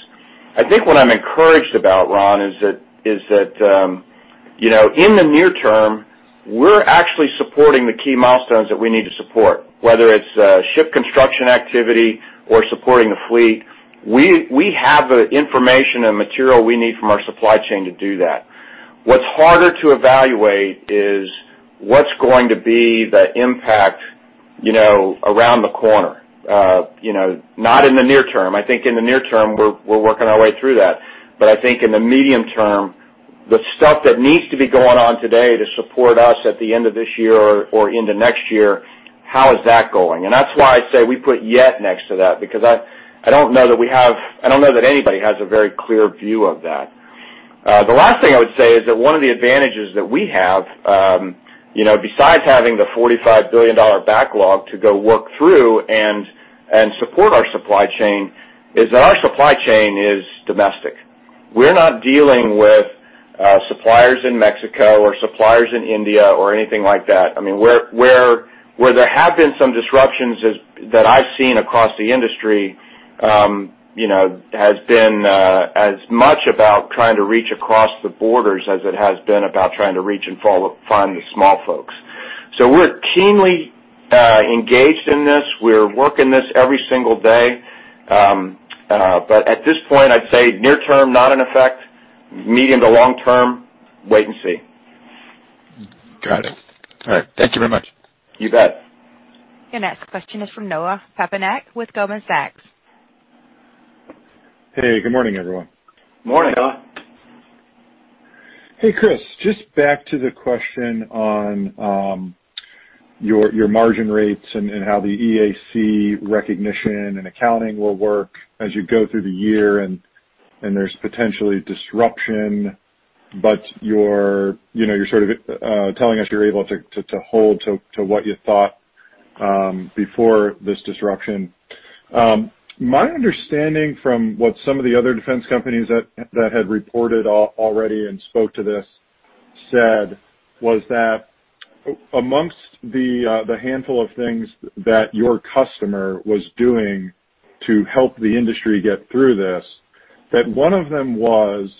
I think what I'm encouraged about, Ron, is that in the near term, we're actually supporting the key milestones that we need to support, whether it's ship construction activity or supporting the fleet. We have the information and material we need from our supply chain to do that. What's harder to evaluate is what's going to be the impact around the corner, not in the near term. I think in the near term, we're working our way through that. But I think in the medium term, the stuff that needs to be going on today to support us at the end of this year or into next year, how is that going? That's why I say we put yet next to that because I don't know that anybody has a very clear view of that. The last thing I would say is that one of the advantages that we have, besides having the $45 billion backlog to go work through and support our supply chain, is that our supply chain is domestic. We're not dealing with suppliers in Mexico or suppliers in India or anything like that. I mean, where there have been some disruptions that I've seen across the industry has been as much about trying to reach across the borders as it has been about trying to reach and find the small folks. So, we're keenly engaged in this. We're working this every single day. But at this point, I'd say near term, not in effect. Medium to long-term, wait and see.
Got it. All right. Thank you very much.
You bet.
Your next question is from Noah Poponak with Goldman Sachs.
Hey, good morning, everyone.
Morning, Noah.
Hey, Chris. Just back to the question on your margin rates and how the EAC recognition and accounting will work as you go through the year and there's potentially disruption. But you're sort of telling us you're able to hold to what you thought before this disruption. My understanding from what some of the other defense companies that had reported already and spoke to this said was that amongst the handful of things that your customer was doing to help the industry get through this, that one of them was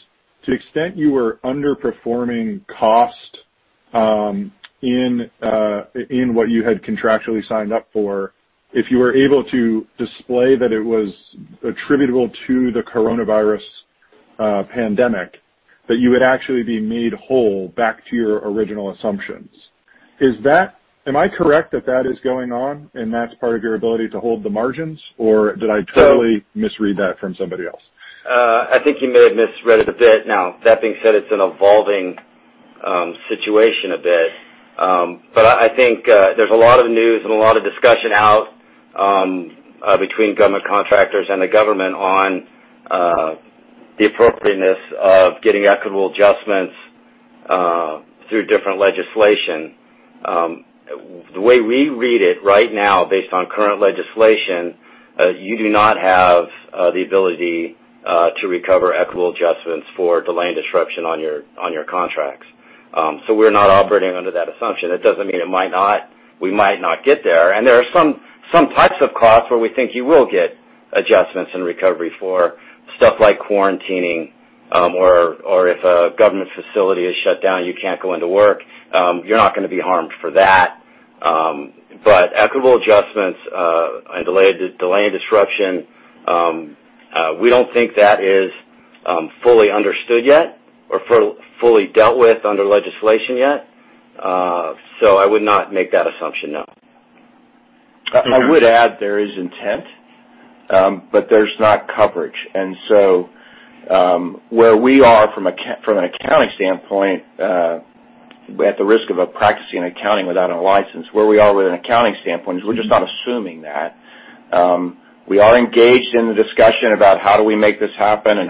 to the extent you were underperforming cost in what you had contractually signed up for, if you were able to display that it was attributable to the coronavirus pandemic, that you would actually be made whole back to your original assumptions. Am I correct that that is going on and that's part of your ability to hold the margins, or did I totally misread that from somebody else?
I think you may have misread it a bit. Now, that being said, it's an evolving situation a bit. But I think there's a lot of news and a lot of discussion out between government contractors and the government on the appropriateness of getting equitable adjustments through different legislation. The way we read it right now, based on current legislation, you do not have the ability to recover equitable adjustments for delay and disruption on your contracts. So, we're not operating under that assumption. That doesn't mean it might not. We might not get there. And there are some types of costs where we think you will get adjustments and recovery for, stuff like quarantining or if a government facility is shut down, you can't go into work. You're not going to be harmed for that. But equitable adjustments and delay and disruption, we don't think that is fully understood yet or fully dealt with under legislation yet. So, I would not make that assumption, no.
I would add there is intent, but there's not coverage. And so, where we are from an accounting standpoint, at the risk of practicing accounting without a license, where we are with an accounting standpoint is we're just not assuming that. We are engaged in the discussion about how do we make this happen and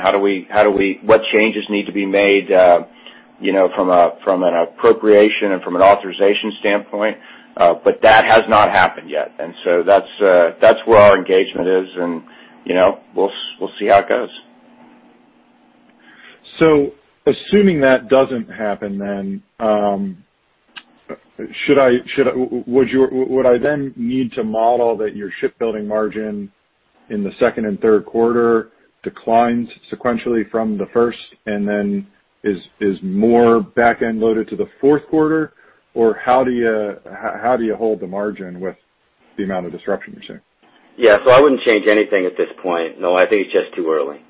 what changes need to be made from an appropriation and from an authorization standpoint. But that has not happened yet. And so, that's where our engagement is, and we'll see how it goes.
So, assuming that doesn't happen then, would I then need to model that your shipbuilding margin in the second and third quarter declines sequentially from the first and then is more back-end loaded to the fourth quarter? Or how do you hold the margin with the amount of disruption you're seeing?
Yeah. So, I wouldn't change anything at this point. No, I think it's just too early.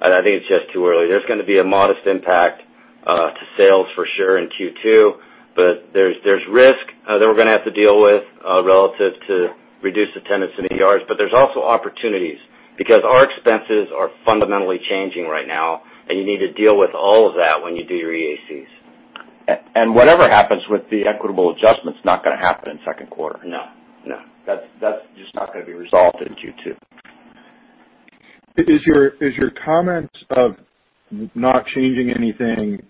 I think it's just too early. There's going to be a modest impact to sales for sure in Q2, but there's risk that we're going to have to deal with relative to reduced attendance in the yards. But there's also opportunities because our expenses are fundamentally changing right now, and you need to deal with all of that when you do your EACs. Whatever happens with the equitable adjustments, not going to happen in second quarter. No. That's just not going to be resolved in Q2.
Is your comments of not changing anything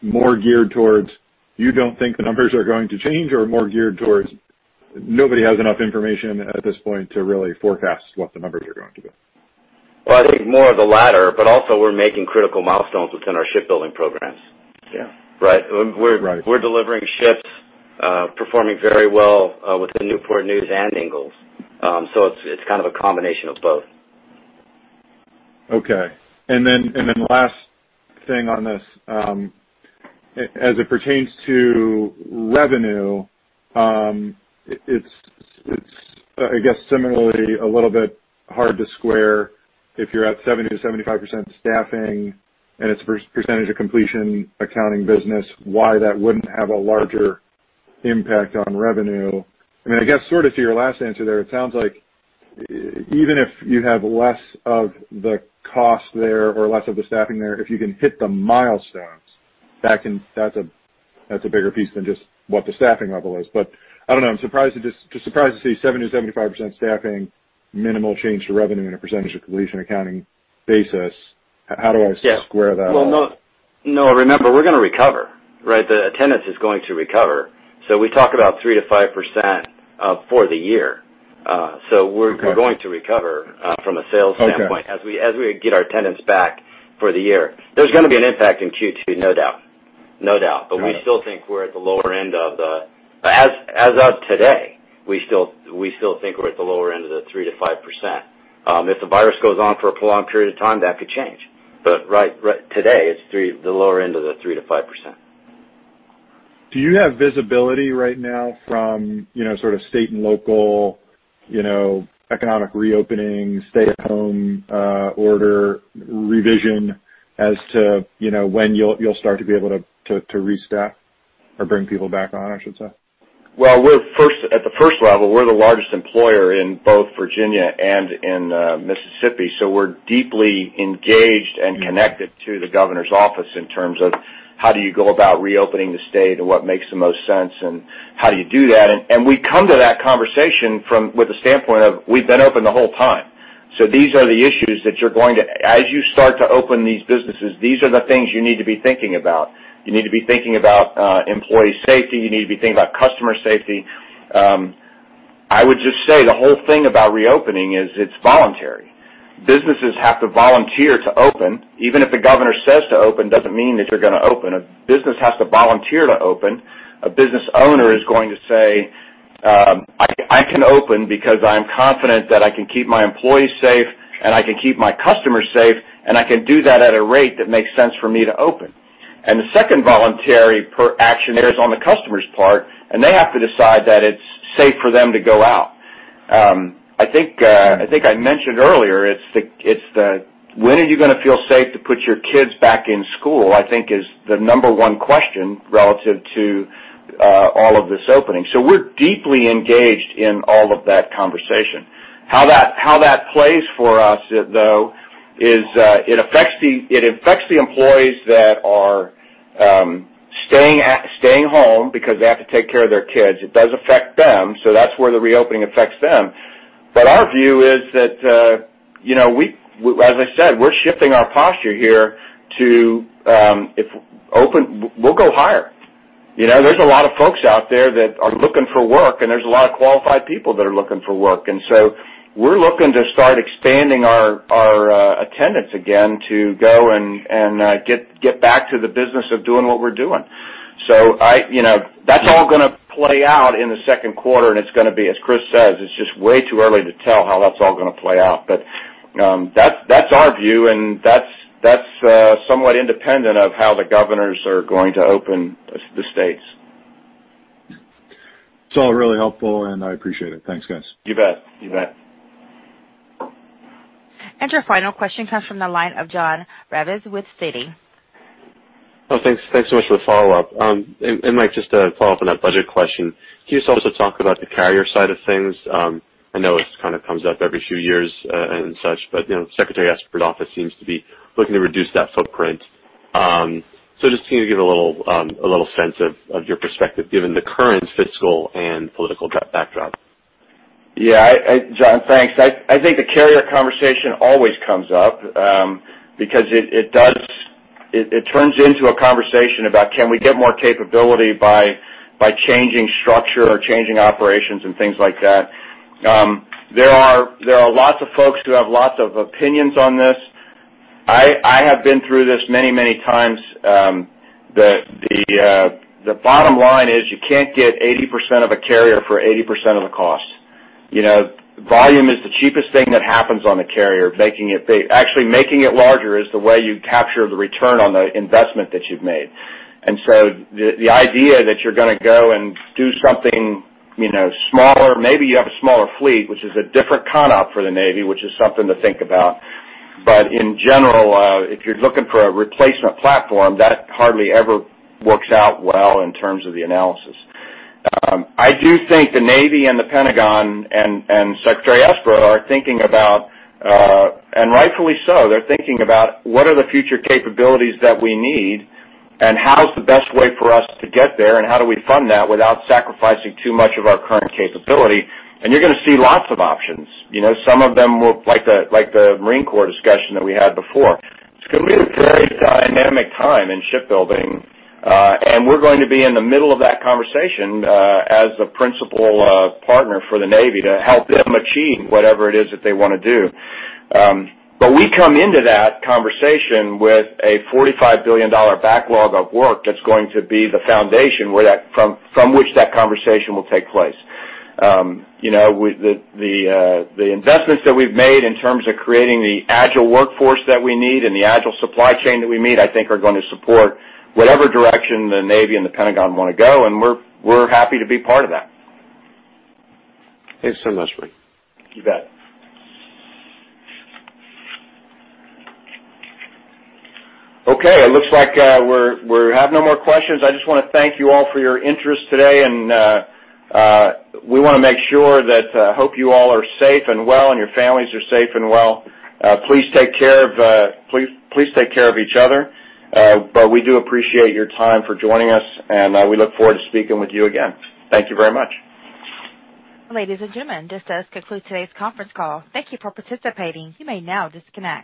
more geared towards you don't think the numbers are going to change, or more geared towards nobody has enough information at this point to really forecast what the numbers are going to be?
I think more of the latter. But also, we're making critical milestones within our shipbuilding programs. Right? We're delivering ships, performing very well within Newport News and Ingalls. So, it's kind of a combination of both.
Okay. And then last thing on this, as it pertains to revenue, it's, I guess, similarly a little bit hard to square if you're at 70%-75% staffing and it's a percentage of completion accounting business, why that wouldn't have a larger impact on revenue. I mean, I guess sort of to your last answer there, it sounds like even if you have less of the cost there or less of the staffing there, if you can hit the milestones, that's a bigger piece than just what the staffing level is. But I don't know. I'm surprised to see 70%-75% staffing, minimal change to revenue and a percentage of completion accounting basis. How do I square that out?
Well, no, remember, we're going to recover, right? The attendance is going to recover. So, we talk about 3%-5% for the year. So, we're going to recover from a sales standpoint as we get our attendance back for the year. There's going to be an impact in Q2, no doubt. But we still think we're at the lower end of the as of today, we still think we're at the lower end of the 3%-5%. If the virus goes on for a prolonged period of time, that could change. But right today, it's the lower end of the 3%-5%.
Do you have visibility right now from sort of state and local economic reopening, stay-at-home order revision as to when you'll start to be able to restaff or bring people back on, I should say?
Well, at the first level, we're the largest employer in both Virginia and in Mississippi. So, we're deeply engaged and connected to the governor's office in terms of how do you go about reopening the state and what makes the most sense and how do you do that. And we come to that conversation from the standpoint of we've been open the whole time. So, these are the issues that you're going to as you start to open these businesses. These are the things you need to be thinking about. You need to be thinking about employee safety. You need to be thinking about customer safety. I would just say the whole thing about reopening is it's voluntary. Businesses have to volunteer to open. Even if the governor says to open, it doesn't mean that you're going to open. A business has to volunteer to open. A business owner is going to say, "I can open because I am confident that I can keep my employees safe and I can keep my customers safe, and I can do that at a rate that makes sense for me to open." And the second voluntary action there is on the customer's part, and they have to decide that it's safe for them to go out. I think I mentioned earlier it's the "When are you going to feel safe to put your kids back in school?" I think is the number one question relative to all of this opening. So, we're deeply engaged in all of that conversation. How that plays for us, though, is it affects the employees that are staying home because they have to take care of their kids. It does affect them. So, that's where the reopening affects them. But our view is that, as I said, we're shifting our posture here to, we'll go higher. There's a lot of folks out there that are looking for work, and there's a lot of qualified people that are looking for work. And so, we're looking to start expanding our attendance again to go and get back to the business of doing what we're doing. So, that's all going to play out in the second quarter, and it's going to be, as Chris says, it's just way too early to tell how that's all going to play out. But that's our view, and that's somewhat independent of how the governors are going to open the states.
It's all really helpful, and I appreciate it. Thanks, guys.
You bet. You bet.
And your final question comes from the line of Jonathan Raviv with Citi.
Oh, thanks so much for the follow-up. And just to follow up on that budget question, can you also talk about the carrier side of things? I know it kind of comes up every few years and such, but Secretary Esper's office seems to be looking to reduce that footprint. So, just to give a little sense of your perspective given the current fiscal and political backdrop.
Yeah. Jon, thanks. I think the carrier conversation always comes up because it turns into a conversation about, "Can we get more capability by changing structure or changing operations and things like that?" There are lots of folks who have lots of opinions on this. I have been through this many, many times. The bottom line is you can't get 80% of a carrier for 80% of the cost. Volume is the cheapest thing that happens on a carrier. Actually making it larger is the way you capture the return on the investment that you've made. And so the idea that you're going to go and do something smaller, maybe you have a smaller fleet, which is a different conundrum for the Navy, which is something to think about. But in general, if you're looking for a replacement platform, that hardly ever works out well in terms of the analysis. I do think the Navy and the Pentagon and Secretary Esper are thinking about, and rightfully so, they're thinking about, "What are the future capabilities that we need, and how's the best way for us to get there, and how do we fund that without sacrificing too much of our current capability?" and you're going to see lots of options. Some of them will, like the Marine Corps discussion that we had before. It's going to be a very dynamic time in shipbuilding, and we're going to be in the middle of that conversation as a principal partner for the Navy to help them achieve whatever it is that they want to do, but we come into that conversation with a $45 billion backlog of work that's going to be the foundation from which that conversation will take place. The investments that we've made in terms of creating the agile workforce that we need and the agile supply chain that we need, I think, are going to support whatever direction the Navy and the Pentagon want to go, and we're happy to be part of that.
Thanks so much, Mike.
You bet. Okay. It looks like we have no more questions. I just want to thank you all for your interest today, and we want to make sure that I hope you all are safe and well and your families are safe and well. Please take care of each other. But we do appreciate your time for joining us, and we look forward to speaking with you again. Thank you very much.
Ladies and gentlemen, this does conclude today's conference call. Thank you for participating. You may now disconnect.